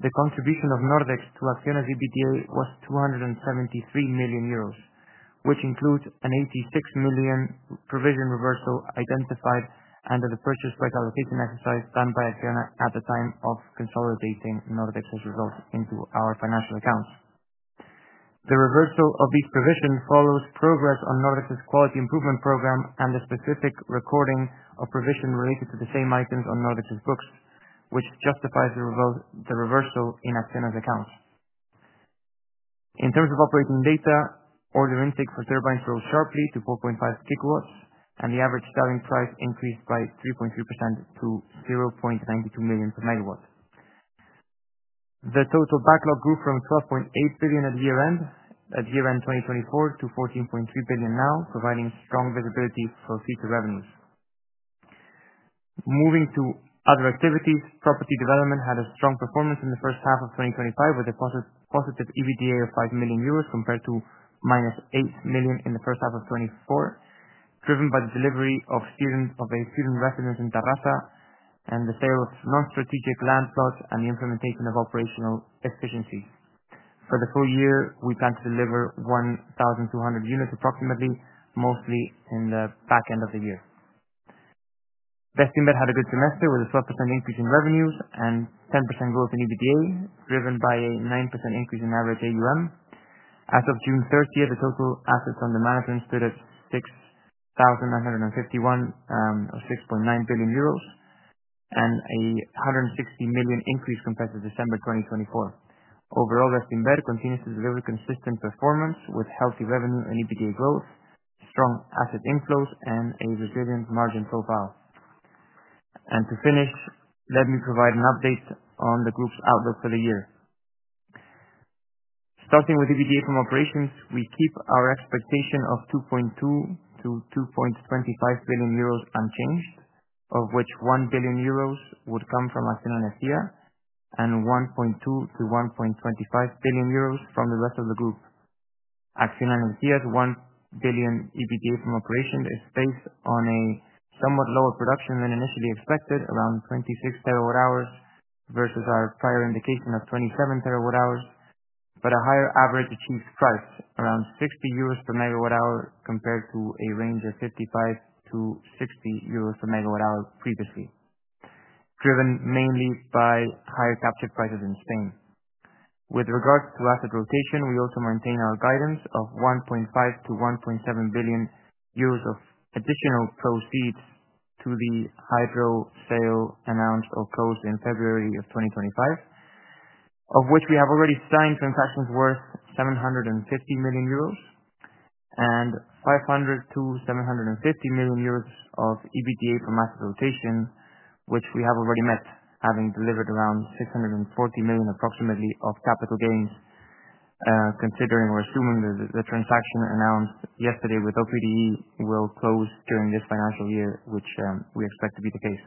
The contribution of Nordex to ACCIONA's EBITDA was 273 million euros, which includes an 86 million provision reversal identified under the purchase-like allocation exercise done by ACCIONA at the time of consolidating Nordex's results into our financial accounts. The reversal of these provisions follows progress on Nordex's quality improvement program and the specific recording of provision related to the same items on Nordex's books, which justifies the reversal in ACCIONA's accounts. In terms of operating data, order intake for turbines rose sharply to 4.5 GW, and the average selling price increased by 3.3% to 0.92 million per MW. The total backlog grew from 12.8 billion at year-end 2024 to 14.3 billion now, providing strong visibility for future revenues. Moving to other activities, property development had a strong performance in the first half of 2025 with a positive EBITDA of 5 million euros compared to -8 million in the first half of 2024, driven by the delivery of a student residence in Terrassa and the sale of non-strategic land plots and the implementation of operational efficiency. For the full year, we plan to deliver approximately 1,200 units, mostly in the back end of the year. Bestinver had a good semester with a 12% increase in revenues and 10% growth in EBITDA, driven by a 9% increase in average AUM. As of June 30th, the total assets under management stood at 6,951 million or 6.9 billion euros and a 160 million increase compared to December 2024. Overall, Bestinver continues to deliver consistent performance with healthy revenue and EBITDA growth, strong asset inflows, and a resilient margin profile. To finish, let me provide an update on the group's outlook for the year. Starting with EBITDA from operations, we keep our expectation of 2.2 billion-2.25 billion euros unchanged, of which 1 billion euros would come from ACCIONA Energía and 1.2 billion-1.25 billion euros from the rest of the group. ACCIONA Energía's 1 billion EBITDA from operations is based on a somewhat lower production than initially expected, around 26 TWh versus our prior indication of 27 TWh, but a higher average achieved price, around 60 euros per megawatt-hour compared to a range of 55-60 euros per megawatt-hour previously, driven mainly by higher capture prices in Spain. With regards to asset rotation, we also maintain our guidance of 1.5 billion-1.7 billion euros of additional proceeds to the hydro sale announced or closed in February 2025, of which we have already signed transactions worth 750 million euros and 500 million-750 million euros of EBITDA from asset rotation, which we have already met, having delivered around 640 million approximately of capital gains, considering or assuming that the transaction announced yesterday with OPDE will close during this financial year, which we expect to be the case.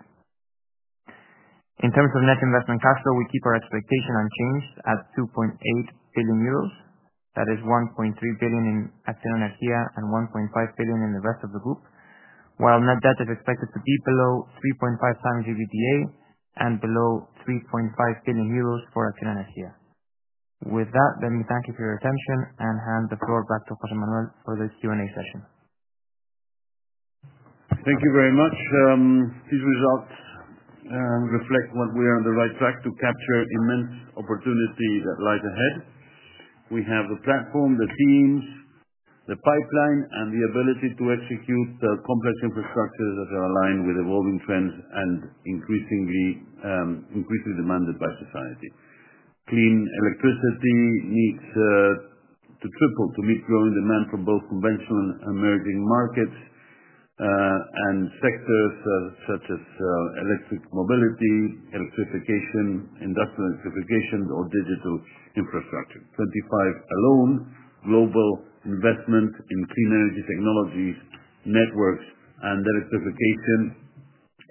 In terms of net investment cash flow, we keep our expectation unchanged at 2.8 billion euros. That is 1.3 billion in ACCIONA Energía and 1.5 billion in the rest of the group, while net debt is expected to be below 3.5x EBITDA and below 3.5 billion euros for ACCIONA Energía. With that, let me thank you for your attention and hand the floor back to José Manuel for the Q&A session. Thank you very much. These results reflect that we are on the right track to capture immense opportunity that lies ahead. We have the platform, the teams, the pipeline, and the ability to execute complex infrastructures that are aligned with evolving trends and increasingly demanded by society. Clean electricity needs to triple to meet growing demand from both conventional and emerging markets and sectors such as electric mobility, electrification, industrial electrification, or digital infrastructure. In 2025 alone, global investment in clean energy technologies, networks, and electrification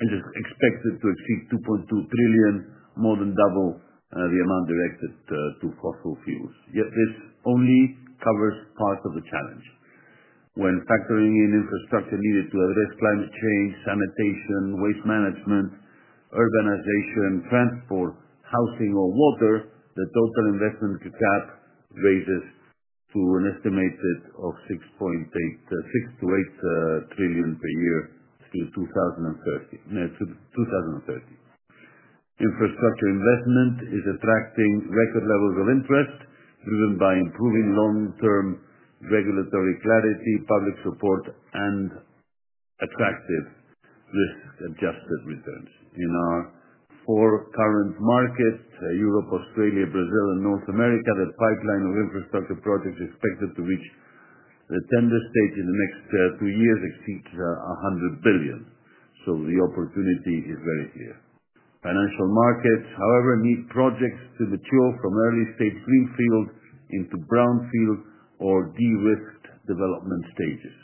is expected to exceed 2.2 trillion, more than double the amount directed to fossil fuels. Yet this only covers part of the challenge. When factoring in infrastructure needed to address climate change, sanitation, waste management, urbanization, transport, housing, or water, the total investment gap rises to an estimated 6 trillion-8 trillion per year to 2030. Infrastructure investment is attracting record levels of interest, driven by improving long-term regulatory clarity, public support, and attractive risk-adjusted returns. In our four current markets, Europe, Australia, Brazil, and North America, the pipeline of infrastructure projects expected to reach the tender stage in the next two years exceeds 100 billion. The opportunity is very clear. Financial markets, however, need projects to mature from early-stage greenfield into brownfield or de-risked development stages.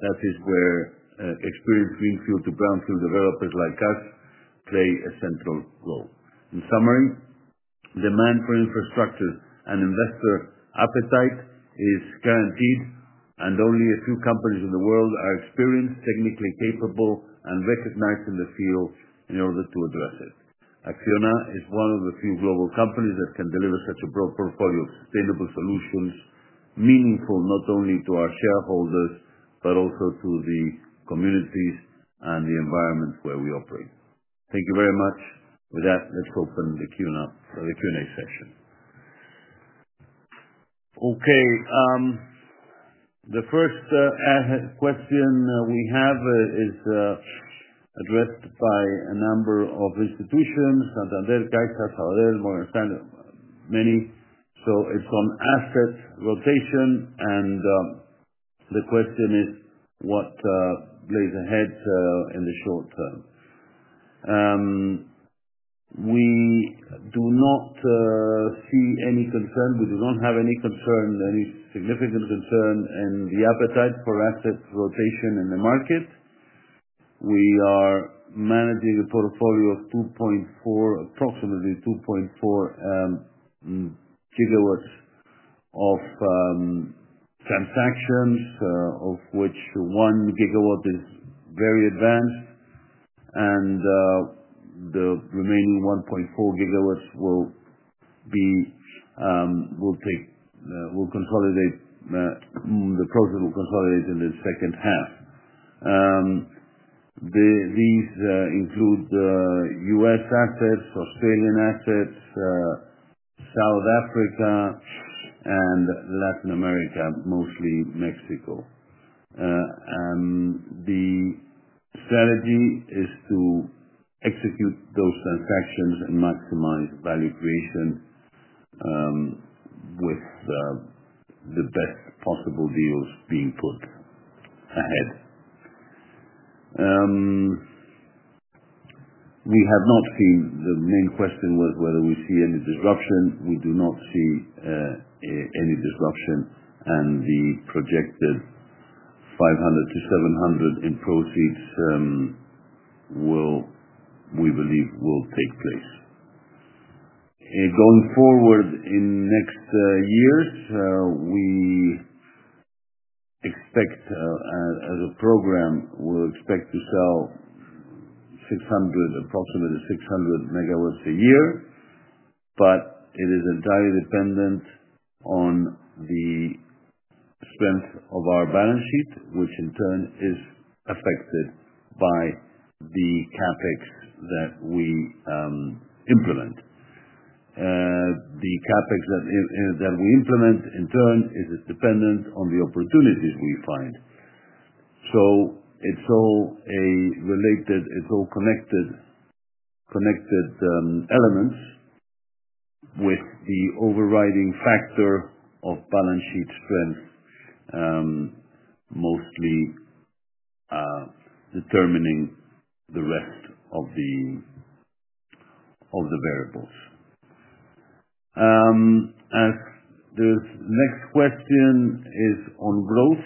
That is where experienced greenfield to brownfield developers like us play a central role. In summary, demand for infrastructure and investor appetite is guaranteed, and only a few companies in the world are experienced, technically capable, and recognized in the field in order to address it. ACCIONA is one of the few global companies that can deliver such a broad portfolio of sustainable solutions, meaningful not only to our shareholders but also to the communities and the environment where we operate. Thank you very much. With that, let's open the Q&A session. The first question we have is addressed by a number of institutions, Santander Guide, Salvador, Morgan Stanley, many. It's on asset rotation, and the question is what lies ahead in the short term. We do not see any concern. We do not have any significant concern in the appetite for asset rotation in the market. We are managing a portfolio of 2.4, approximately 2.4 GW of transactions, of which 1 GW is very advanced, and the remaining 1.4 GW will consolidate. The process will consolidate in the second half. These include U.S. assets, Australian assets, South Africa, and Latin America, mostly Mexico. The strategy is to execute those transactions and maximize value creation with the best possible deals being put ahead. We have not seen the main question was whether we see any disruption. We do not see any disruption, and the projected 500 million-700 million in proceeds we believe will take place. Going forward in the next years, we expect as a program, we expect to sell approximately 600 MW a year, but it is entirely dependent on the strength of our balance sheet, which in turn is affected by the CapEx that we implement. The CapEx that we implement in turn is dependent on the opportunities we find. It is all related, it is all connected elements with the overriding factor of balance sheet strength, mostly determining the rest of the variables. As the next question is on growth,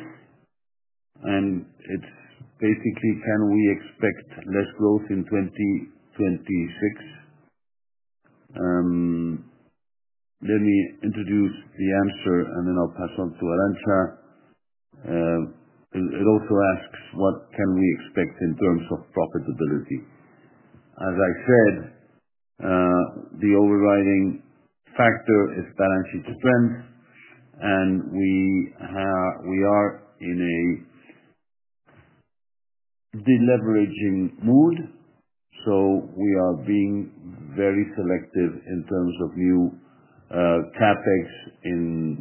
and it's basically, can we expect less growth in 2026? Let me introduce the answer, and then I'll pass on to Arantza. It also asks, what can we expect in terms of profitability? As I said, the overriding factor is balance sheet strength, and we are in a deleveraging mood, so we are being very selective in terms of new CapEx in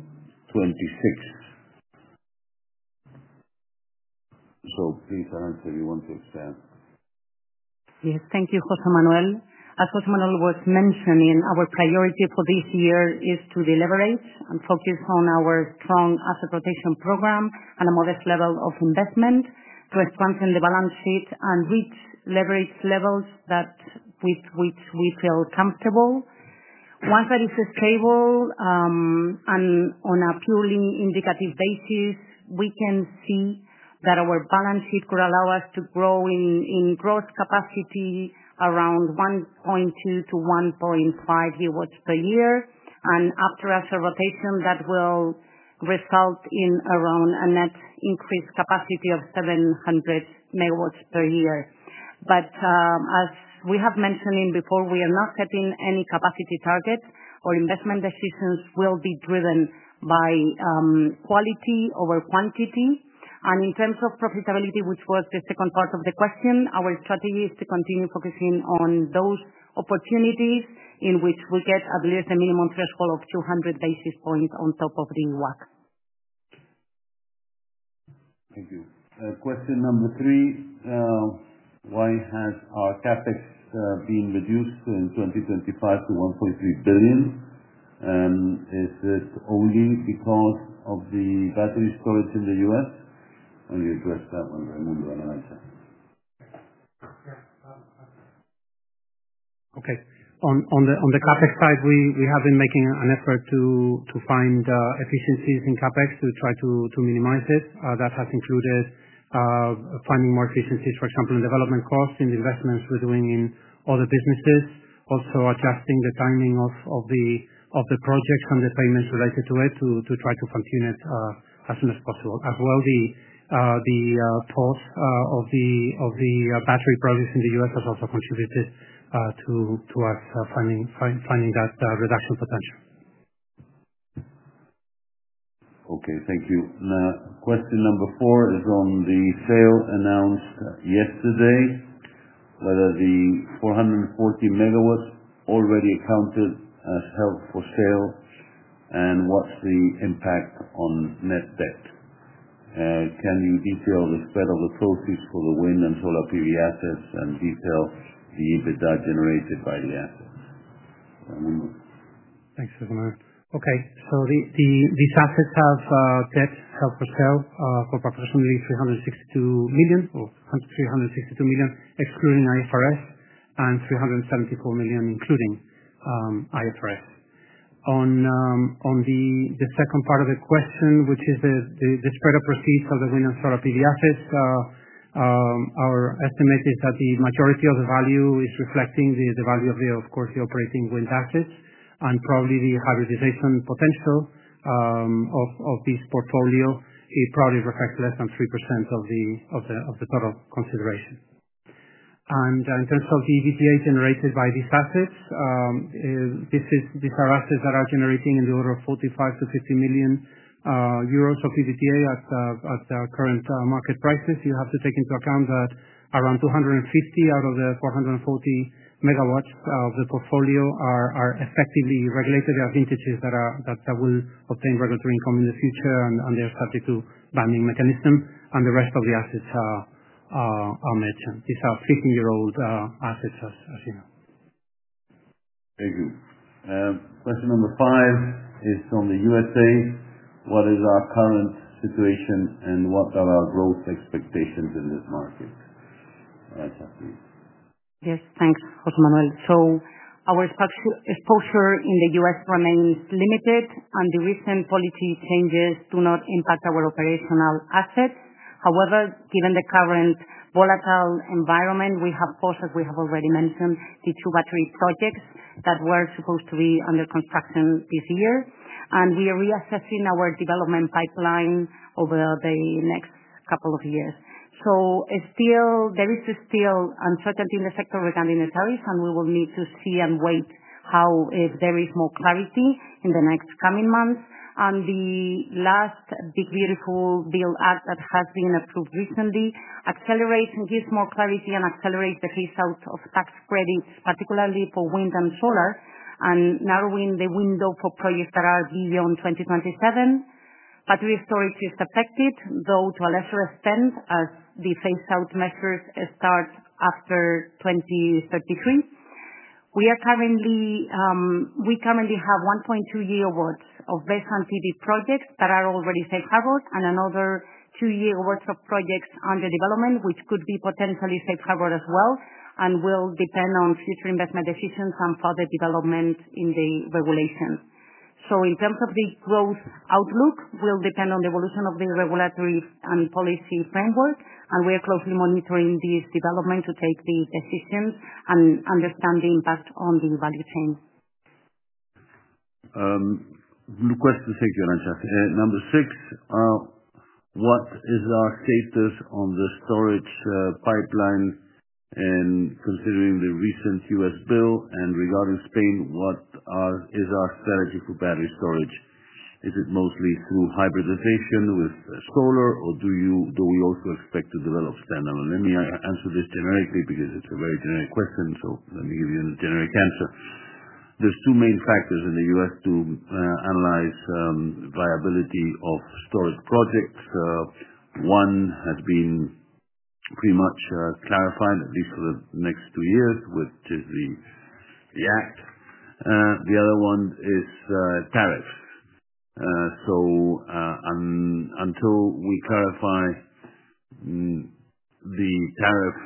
2026. Please, Arantza, if you want to expand. Yes. Thank you, José Manuel. As José Manuel was mentioning, our priority for this year is to deliberate and focus on our strong asset rotation program and a modest level of investment to strengthen the balance sheet and reach leverage levels with which we feel comfortable. Once that is stable and on a purely indicative basis, we can see that our balance sheet could allow us to grow in gross capacity around 1.2 GW-1.5 GW per year. After asset rotation, that will result in around a net increased capacity of 700 MW per year. As we have mentioned before, we are not setting any capacity targets, our investment decisions will be driven by quality over quantity. In terms of profitability, which was the second part of the question, our strategy is to continue focusing on those opportunities in which we get, at least, a minimum threshold of 200 basis points on top of the WAC. Thank you. Question number three. Why has our CapEx been reduced in 2025 to 1.3 billion? Is it only because of the battery storage in the U.S.? I'll address that one, Raimundo and Arantza. Okay. On the CapEx side, we have been making an effort to find efficiencies in CapEx to try to minimize it. That has included finding more efficiencies, for example, in development costs, in the investments we're doing in other businesses, also adjusting the timing of the projects and the payments related to it to try to fine-tune it as soon as possible. As well, the pause of the battery projects in the U.S. has also contributed to us finding that reduction potential. Okay. Thank you. Now, question number four is on the sale announced yesterday, whether the 440 MW already accounted as held for sale and what's the impact on net debt. Can you detail the spread of the proceeds for the wind and solar PV assets and detail the EBITDA generated by the assets? Thanks, José Manuel. Okay. These assets have debt held for sale for approximately 362 million, or 362 million excluding IFRS and 374 million including IFRS. On the second part of the question, which is the spread of proceeds for the wind and solar PV assets, our estimate is that the majority of the value is reflecting the value of, of course, the operating wind assets and probably the hybridization potential of this portfolio. It probably reflects less than 3% of the total consideration. In terms of the EBITDA generated by these assets, these are assets that are generating in the order of 45 million-50 million euros of EBITDA at the current market prices. You have to take into account that around 250 MW out of the 440 MW of the portfolio are effectively regulated. They are vintages that will obtain regulatory income in the future, and they are subject to binding mechanisms. The rest of the assets are merchant. These are 50-year-old assets, as you know. Thank you. Question number five is on the U.S. What is our current situation and what are our growth expectations in this market? Arantza, please. Yes. Thanks, José Manuel. Our exposure in the U.S. remains limited, and the recent policy changes do not impact our operational assets. However, given the current volatile environment, we have paused, as we have already mentioned, the two battery projects that were supposed to be under construction this year, and we are reassessing our development pipeline over the next couple of years. There is still uncertainty in the sector regarding the tariffs, and we will need to see and wait if there is more clarity in the next coming months. The last. clear call bill that has been approved recently accelerates and gives more clarity and accelerates the phase out of tax credit, particularly for wind and solar, and narrowing the window for projects that are beyond 2027. Battery storage is affected, though, to a lesser extent as the phase out measures start after 2033. We currently have 1.2 GW of base and PV projects that are already safe harbor, and another 2 GW of projects under development, which could be potentially safe harbor as well, and will depend on future investment decisions and further development in the regulation. In terms of the growth outlook, it will depend on the evolution of the regulatory and policy framework, and we are closely monitoring these developments to take these decisions and understand the impact on the value chain. Request to take your answer. Number six, what is our status on the storage pipeline and considering the recent U.S. bill? Regarding Spain, what is our strategy for battery storage? Is it mostly through hybridization with solar, or do we also expect to develop standalone? Let me answer this generically because it's a very generic question, so let me give you a generic answer. There are two main factors in the U.S. to analyze the viability of storage projects. One has been pretty much clarified, at least for the next two years, which is the act. The other one is tariffs. Until we clarify the tariff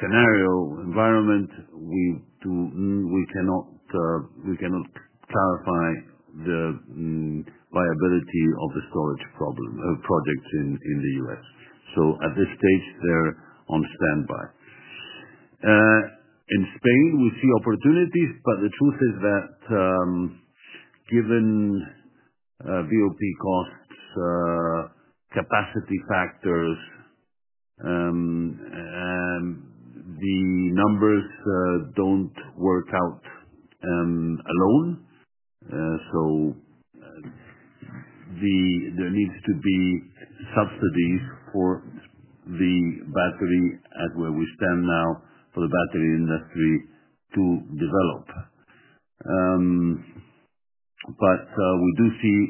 scenario environment, we cannot clarify the viability of the storage projects in the U.S. At this stage, they're on standby. In Spain, we see opportunities, but the truth is that given VOP costs, capacity factors, the numbers don't work out alone. There needs to be subsidies for the battery as where we stand now for the battery industry to develop. We do see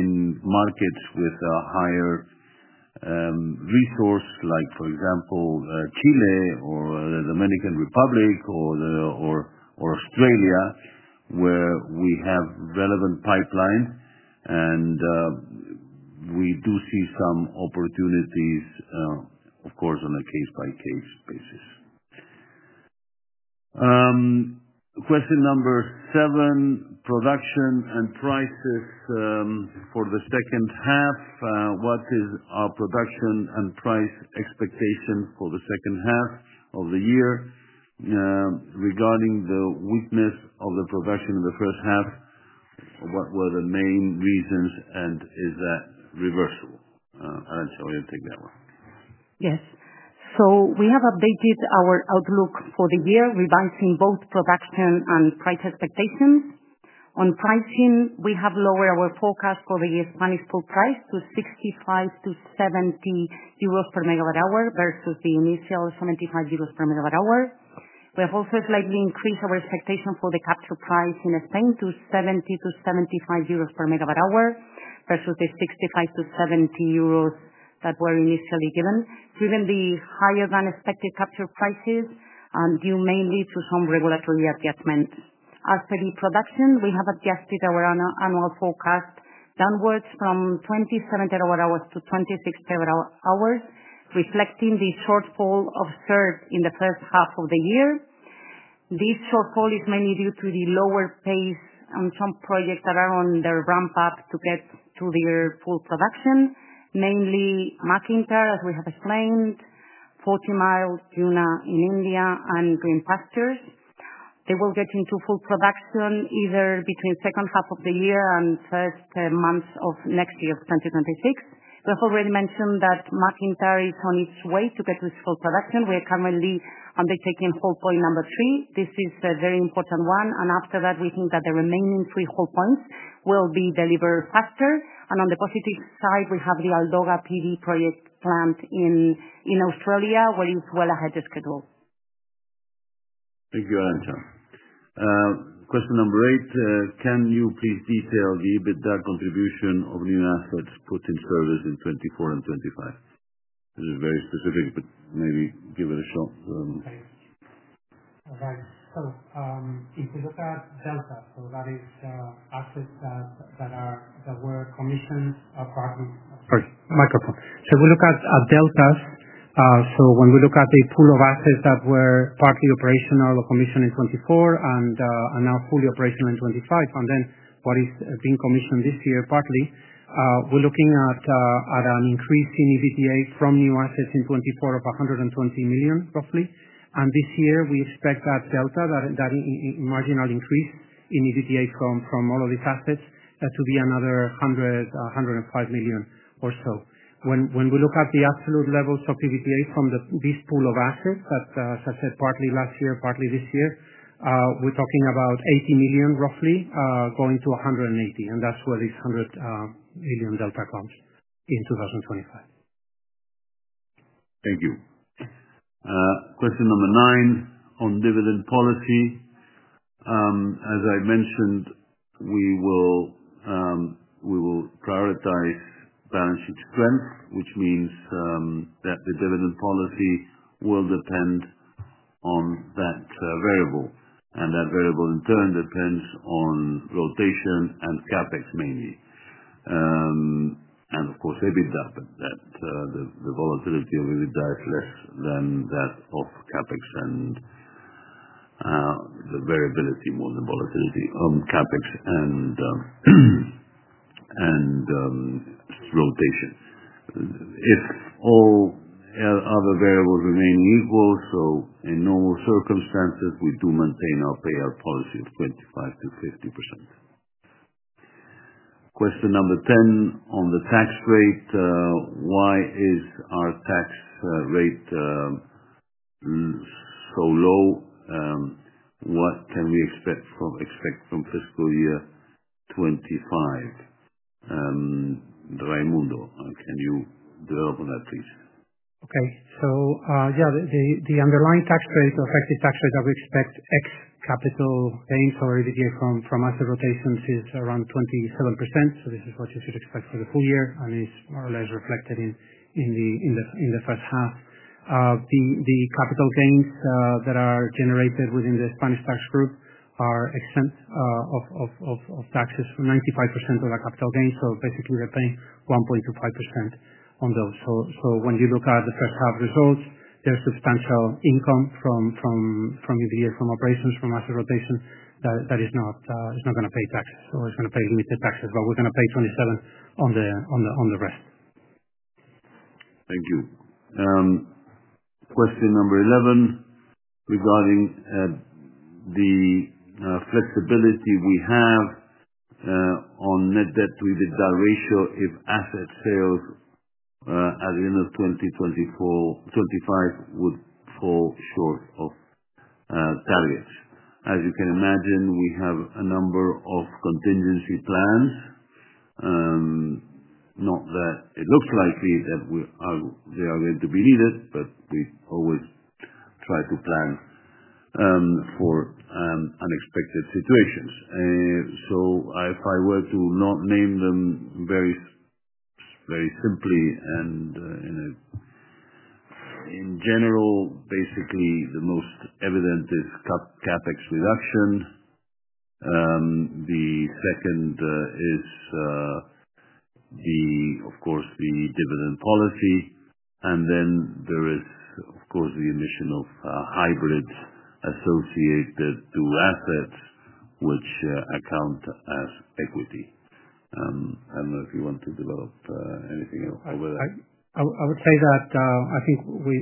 in markets with a higher resource, like for example, Chile or the Dominican Republic or Australia, where we have relevant pipelines, and we do see some opportunities, of course, on a case-by-case basis. Question number seven, production and prices for the second half. What is our production and price expectation for the second half of the year? Regarding the weakness of the production in the first half, what were the main reasons, and is that reversal? I'll let you take that one. Yes. We have updated our outlook for the year, revising both production and price expectations. On pricing, we have lowered our forecast for the Spanish pool price to 65-70 euros per megawatt hour versus the initial 75 euros per megawatt hour. We have also slightly increased our expectation for the capture price in Spain to 70-75 euros per megawatt hour versus the 65-70 euros that were initially given, given the higher than expected capture prices and due mainly to some regulatory adjustments. As for the production, we have adjusted our annual forecast downwards from 27 TWh to 26 TWh, reflecting the shortfall observed in the first half of the year. This shortfall is mainly due to the lower pace and some projects that are on their ramp-up to get to their full production, mainly MacInTyre, as we have explained, Forty Mile in India, and Green Pastures. They will get into full production either between the second half of the year and the first months of next year, of 2026. We have already mentioned that MacInTyre is on its way to get to its full production. We are currently undertaking whole point number three. This is a very important one. After that, we think that the remaining three whole points will be delivered faster. On the positive side, we have the Aldoga PV project planned in Australia, where it's well ahead of schedule. Thank you, Arantza. Question number eight, can you please detail the EBITDA contribution of new assets put in service in 2024 and 2025? This is very specific, but maybe give it a shot. Okay. If we look at delta, that is assets that were commissioned apart from. Sorry. If we look at delta, when we look at the pool of assets that were partly operational or commissioned in 2024 and are now fully operational in 2025, and what is being commissioned this year, partly, we're looking at an increase in EBITDA from new assets in 2024 of approximately 120 million. This year, we expect that delta, that marginal increase in EBITDA from all of these assets, to be another 105 million or so. When we look at the absolute levels of EBITDA from this pool of assets that, as I said, partly last year, partly this year, we're talking about 80 million, roughly, going to 180 million. That's where this 100 million delta comes in 2025. Thank you. Question number nine on dividend policy. As I mentioned, we will prioritize balance sheet strength, which means that the dividend policy will depend on that variable. That variable, in turn, depends on rotation and CapEx, mainly. Of course, EBITDA, but the volatility of EBITDA is less than that of CapEx and the variability, more the volatility on CapEx and rotation. If all other variables remain equal, in normal circumstances, we do maintain our payout policy of 25%-50%. Question number 10 on the tax rate. Why is our tax rate so low? What can we expect from fiscal year 2025? Raimundo, can you develop on that, please? Okay. So yeah, the underlying tax rate, the effective tax rate that we expect ex-capital gains or EBITDA from asset rotations is around 27%. This is what you should expect for the full year, and it's more or less reflected in the first half. The capital gains that are generated within the Spanish tax group are exempt of taxes for 95% of the capital gains. Basically, they're paying 1.25% on those. When you look at the first half results, there's substantial income from EBITDA, from operations, from asset rotation that is not going to pay taxes, or it's going to pay limited taxes. We're going to pay 27% on the rest. Thank you. Question number 11 regarding the flexibility we have on net debt to EBITDA ratio if asset sales at the end of 2025 would fall short of targets. As you can imagine, we have a number of contingency plans. Not that it looks likely that they are going to be needed, but we always try to plan for unexpected situations. If I were to not name them very simply and in general, basically, the most evident is CapEx reduction. The second is, of course, the dividend policy. There is, of course, the admission of hybrids associated to assets, which account as equity. I don't know if you want to develop anything else over there. I would say that I think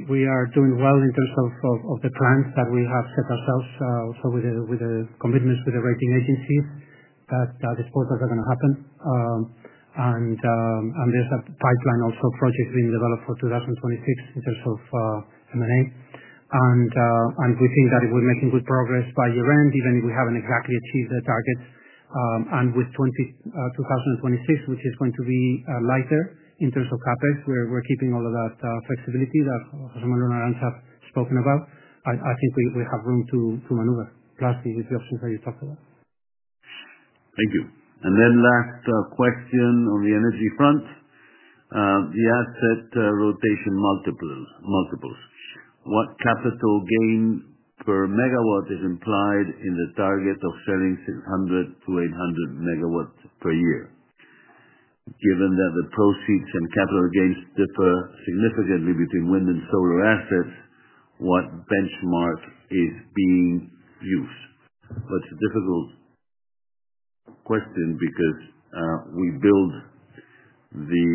we are doing well in terms of the plans that we have set ourselves, with the commitments with the rating agencies that disposals are going to happen. There's a pipeline also of projects being developed for 2026 in terms of M&A. We think that we're making good progress by year-end, even if we haven't exactly achieved the targets. With 2026, which is going to be lighter in terms of CapEx, we're keeping all of that flexibility that José Manuel and Arantza have spoken about. I think we have room to maneuver, plus the options that you talked about. Thank you. Last question on the energy front. The asset rotation multiples. What capital gain per megawatt is implied in the target of selling 600 MW-800 MW per year? Given that the proceeds and capital gains differ significantly between wind and solar assets, what benchmark is being used? That's a difficult question because we build the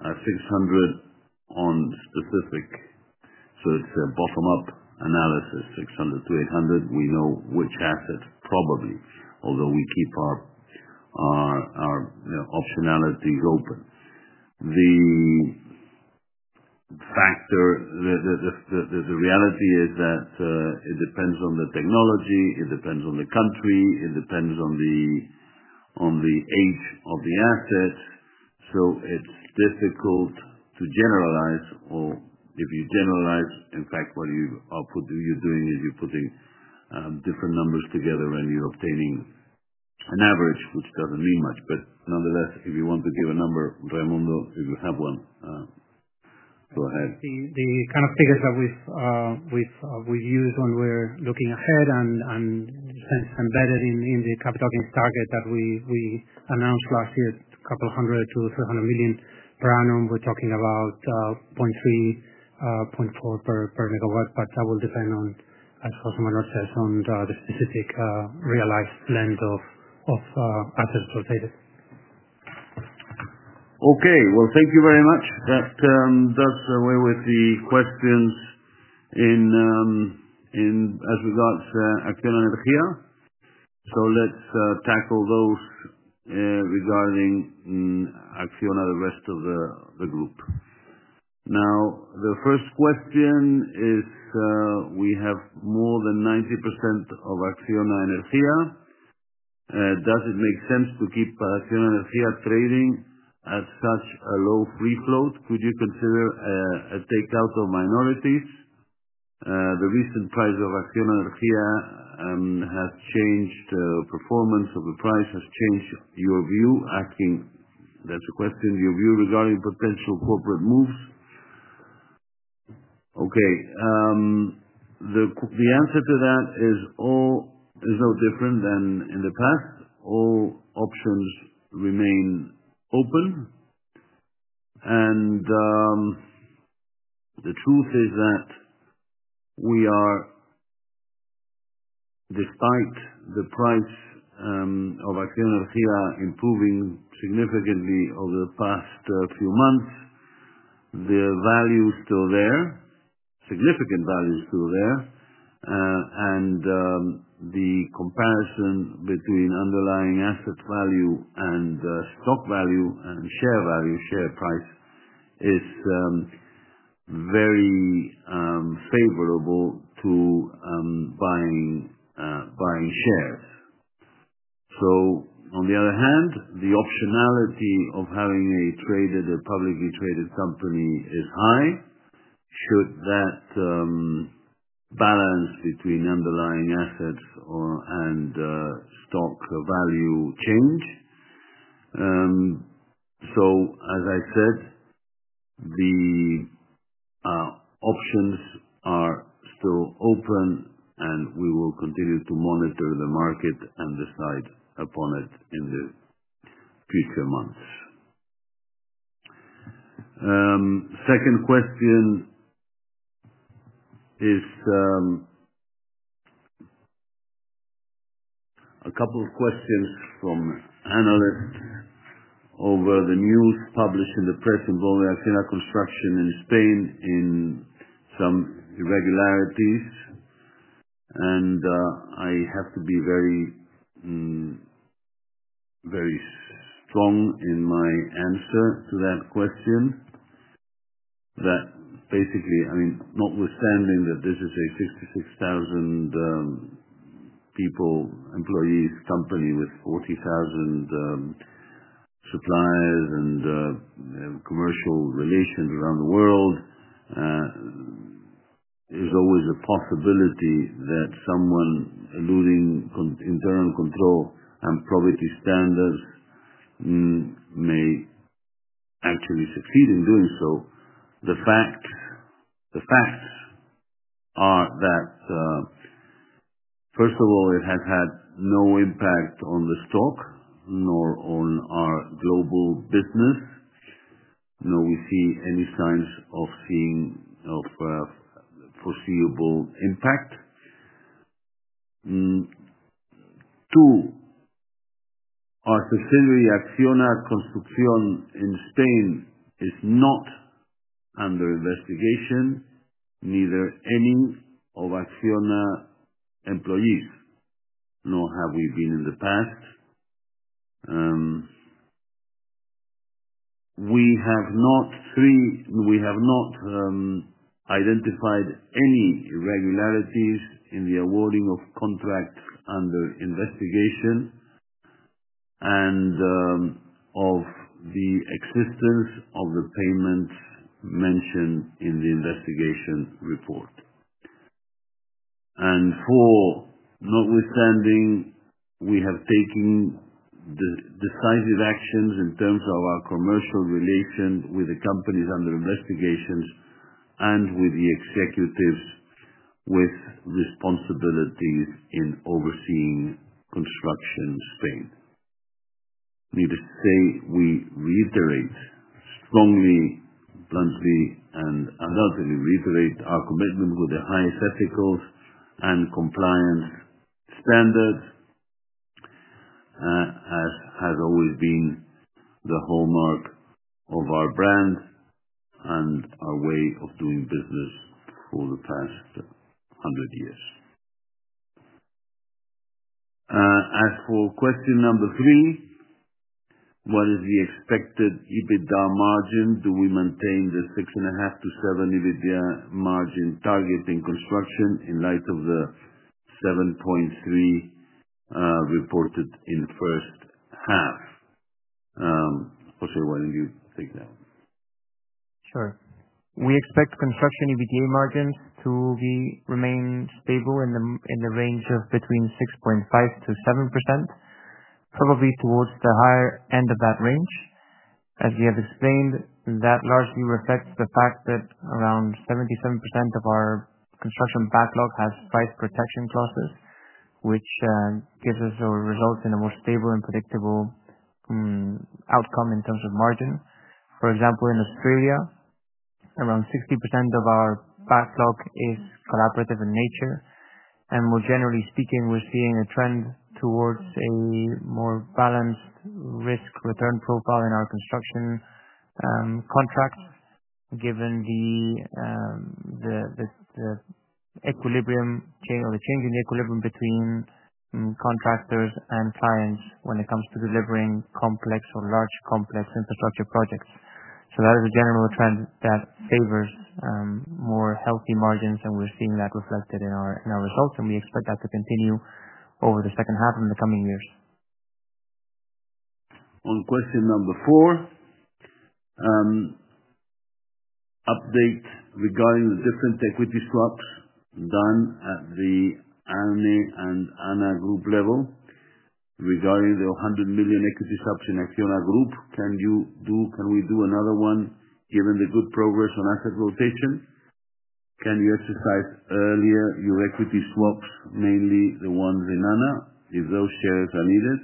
600 MW on specific. It's a bottom-up analysis, 600 MW-800 MW. We know which asset probably, although we keep our optionalities open. The factor, the reality is that it depends on the technology, it depends on the country, it depends on the age of the asset. It's difficult to generalize, or if you generalize, in fact, what you are doing is you're putting different numbers together and you're obtaining an average, which doesn't mean much. Nonetheless, if you want to give a number, Raimundo, if you have one, go ahead. The kind of figures that we use when we're looking ahead and embedded in the capital gains target that we announced last year, a couple hundred to 300 million per annum, we're talking about 0.3, 0.4 per megawatt. That will depend on, as José Manuel says, on the specific realized length of assets rotated. Okay. Thank you very much. That does away with the questions as regards to ACCIONA Energía. Let's tackle those regarding ACCIONA, the rest of the group. Now, the first question is, we have more than 90% of ACCIONA Energía. Does it make sense to keep ACCIONA Energía trading at such a low free float? Could you consider a takeout of minorities? The recent price of ACCIONA Energía has changed. The performance of the price has changed. Your view, asking that's a question, your view regarding potential corporate moves. The answer to that is all is no different than in the past. All options remain open. The truth is that we are, despite the price of ACCIONA Energía improving significantly over the past few months, the value is still there, significant value is still there. The comparison between underlying asset value and stock value and share value, share price, is very favorable to buying shares. On the other hand, the optionality of having a publicly traded company is high should that balance between underlying assets and stock value change. As I said, the options are still open, and we will continue to monitor the market and decide upon it in the future months. Second question is a couple of questions from analysts over the news published in the press involving ACCIONA Construction in Spain in some irregularities. I have to be very strong in my answer to that question. Basically, notwithstanding that this is a 66,000 people, employees company with 40,000 suppliers and commercial relations around the world, there's always a possibility that someone eluding internal control and probity standards may actually succeed in doing so. The facts are that, first of all, it has had no impact on the stock nor on our global business. Nor do we see any signs of seeing a foreseeable impact. Two, our subsidiary ACCIONA Construction in Spain is not under investigation, neither any of ACCIONA employees, nor have we been in the past. We have not identified any irregularities in the awarding of contracts under investigation and of the existence of the payments mentioned in the investigation report. Four, notwithstanding, we have taken decisive actions in terms of our commercial relation with the companies under investigations and with the executives with responsibilities in overseeing construction in Spain. Needless to say, we reiterate strongly, bluntly, and undoubtedly reiterate our commitment with the highest ethical and compliant standards, as has always been the hallmark of our brand and our way of doing business for the past 100 years. As for question number three, what is the expected EBITDA margin? Do we maintain the 6.5%-7% EBITDA margin target in construction in light of the 7.3% reported in the first half? Jose, why don't you take that one? Sure. We expect construction EBITDA margins to remain stable in the range of between 6.5%-7%, probably towards the higher end of that range. As we have explained, that largely reflects the fact that around 77% of our construction backlog has price protection clauses, which gives us a result in a more stable and predictable outcome in terms of margin. For example, in Australia, around 60% of our backlog is collaborative in nature. More generally speaking, we're seeing a trend towards a more balanced risk-return profile in our construction contracts, given the changing equilibrium between contractors and clients when it comes to delivering complex or large complex infrastructure projects. That is a general trend that favors more healthy margins, and we're seeing that reflected in our results. We expect that to continue over the second half in the coming years. On question number four, update regarding the different equity swaps done at the ANE and ANA group level. Regarding the 100 million equity subsidy in ACCIONA Group, can we do another one given the good progress on asset rotation? Can you exercise earlier your equity swaps, mainly the ones in ANA, if those shares are needed?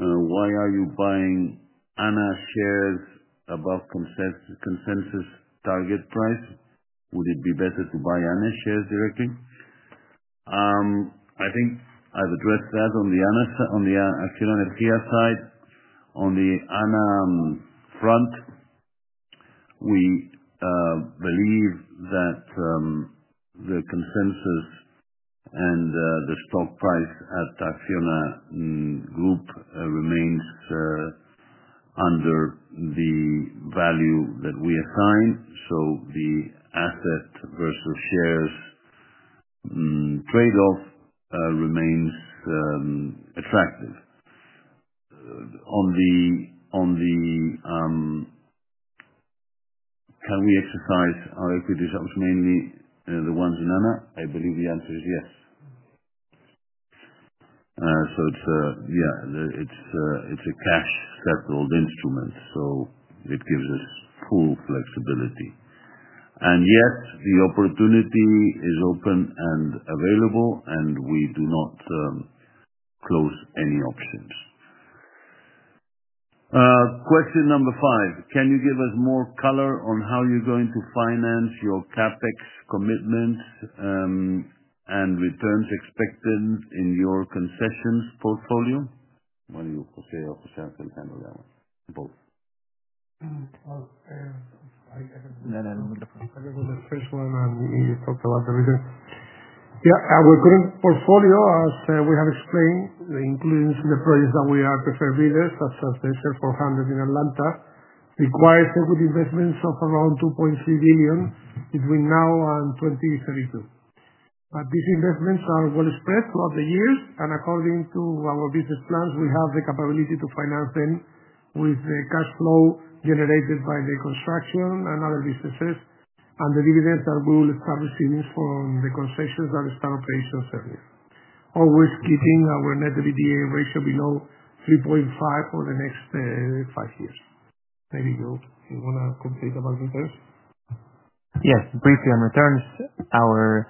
Why are you buying ANA shares above consensus target price? Would it be better to buy ANA shares directly? I think I've addressed that on the ACCIONA Energía side. On the ANA front, we believe that the consensus and the stock price at ACCIONA Group remains under the value that we assign. The asset versus shares trade-off remains attractive. Can we exercise our equity subsidies, mainly the ones in ANA? I believe the answer is yes. It's a cash-settled instrument, so it gives us full flexibility. Yes, the opportunity is open and available, and we do not close any options. Question number five, can you give us more color on how you're going to finance your CapEx commitments and returns expected in your concessions portfolio? What do you say, Jose? I'll handle that one. Both. I can go to the first one, and you talked about the results. Yeah. Our current portfolio, as we have explained, including the projects that we have to serve leaders, such as the Share 400 in Atlanta, requires equity investments of around 2.3 billion between now and 2032. These investments are well spread throughout the years. According to our business plans, we have the capability to finance them with the cash flow generated by the construction and other businesses and the dividends that we will start receiving from the concessions that start operations earlier, always keeping our net EBITDA ratio below 3.5x for the next five years. There you go. You want to take about returns? Yes. Briefly on returns, our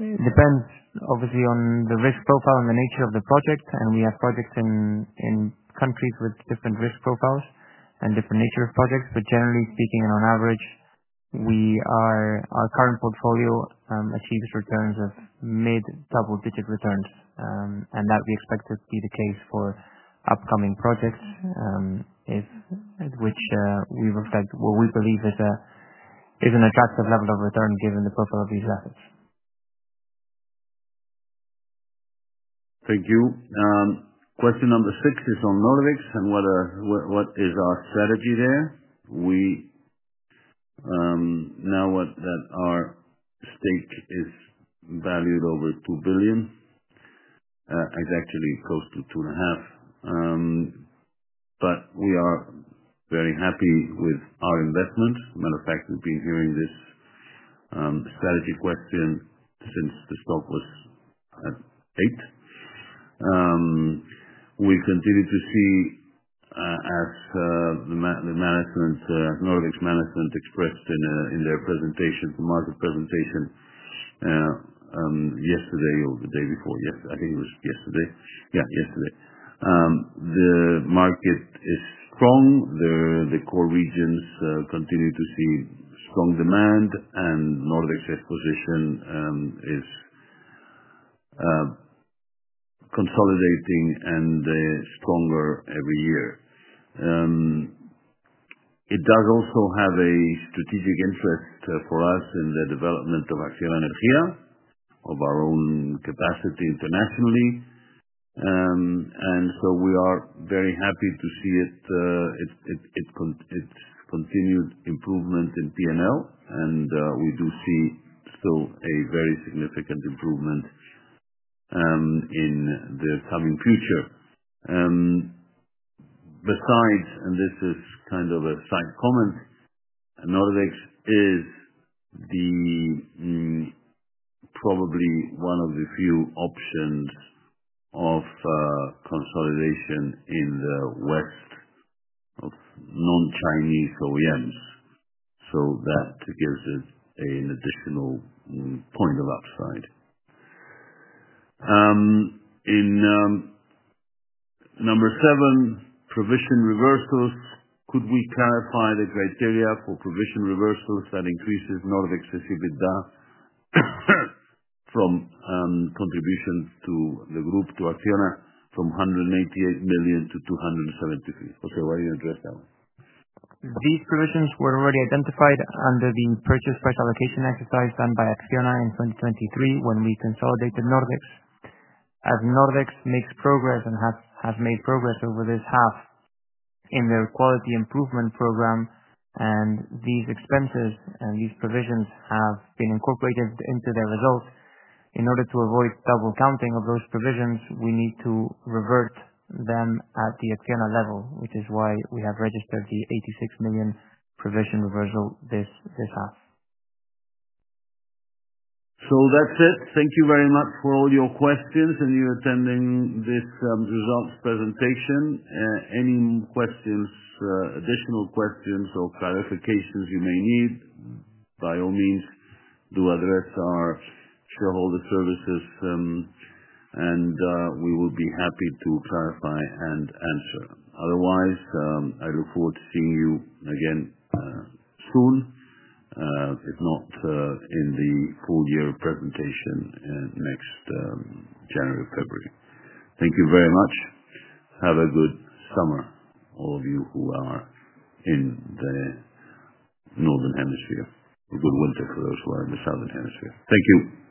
depends, obviously, on the risk profile and the nature of the project. We have projects in countries with different risk profiles and different nature of projects. Generally speaking, and on average, our current portfolio achieves returns of mid-double-digit returns. We expect that to be the case for upcoming projects, if which we reflect what we believe is an attractive level of return given the profile of these assets. Thank you. Question number six is on Nordex. And what is our strategy there? We know that our stake is valued over 2 billion, it's actually close to 2.5 billion. We are very happy with our investment. As a matter of fact, we've been hearing this strategy question since the stock was at 8. We continue to see, as Nordex's management expressed in their presentation, the market presentation yesterday or the day before. Yes, I think it was yesterday. Yeah, yesterday. The market is strong. The core regions continue to see strong demand, and Nordex's position is consolidating and stronger every year. It does also have a strategic interest for us in the development of ACCIONA Energía, of our own capacity internationally. We are very happy to see its continued improvement in P&L. We do see still a very significant improvement in the coming future. Besides, and this is kind of a side comment, Nordex is probably one of the few options of consolidation in the West of non-Chinese OEMs. That gives it an additional point of upside. In number seven, provision reversals. Could we clarify the criteria for provision reversals that increases Nordex's EBITDA from contributions to the group to ACCIONA from 188 million to 273 million? Jose, why don't you address that one? These provisions were already identified under the purchase price allocation exercise done by ACCIONA in 2023 when we consolidated Nordex. As Nordex makes progress and has made progress over this half in their quality improvement program, these expenses and these provisions have been incorporated into their results. In order to avoid double counting of those provisions, we need to revert them at the ACCIONA level, which is why we have registered the 86 million provision reversal this half. Thank you very much for all your questions and you attending this results presentation. Any questions, additional questions, or clarifications you may need, by all means, do address our shareholder services, and we will be happy to clarify and answer. Otherwise, I look forward to seeing you again soon, if not in the full year of presentation next January or February. Thank you very much. Have a good summer, all of you who are in the Northern Hemisphere. A good winter for those who are in the Southern Hemisphere. Thank you.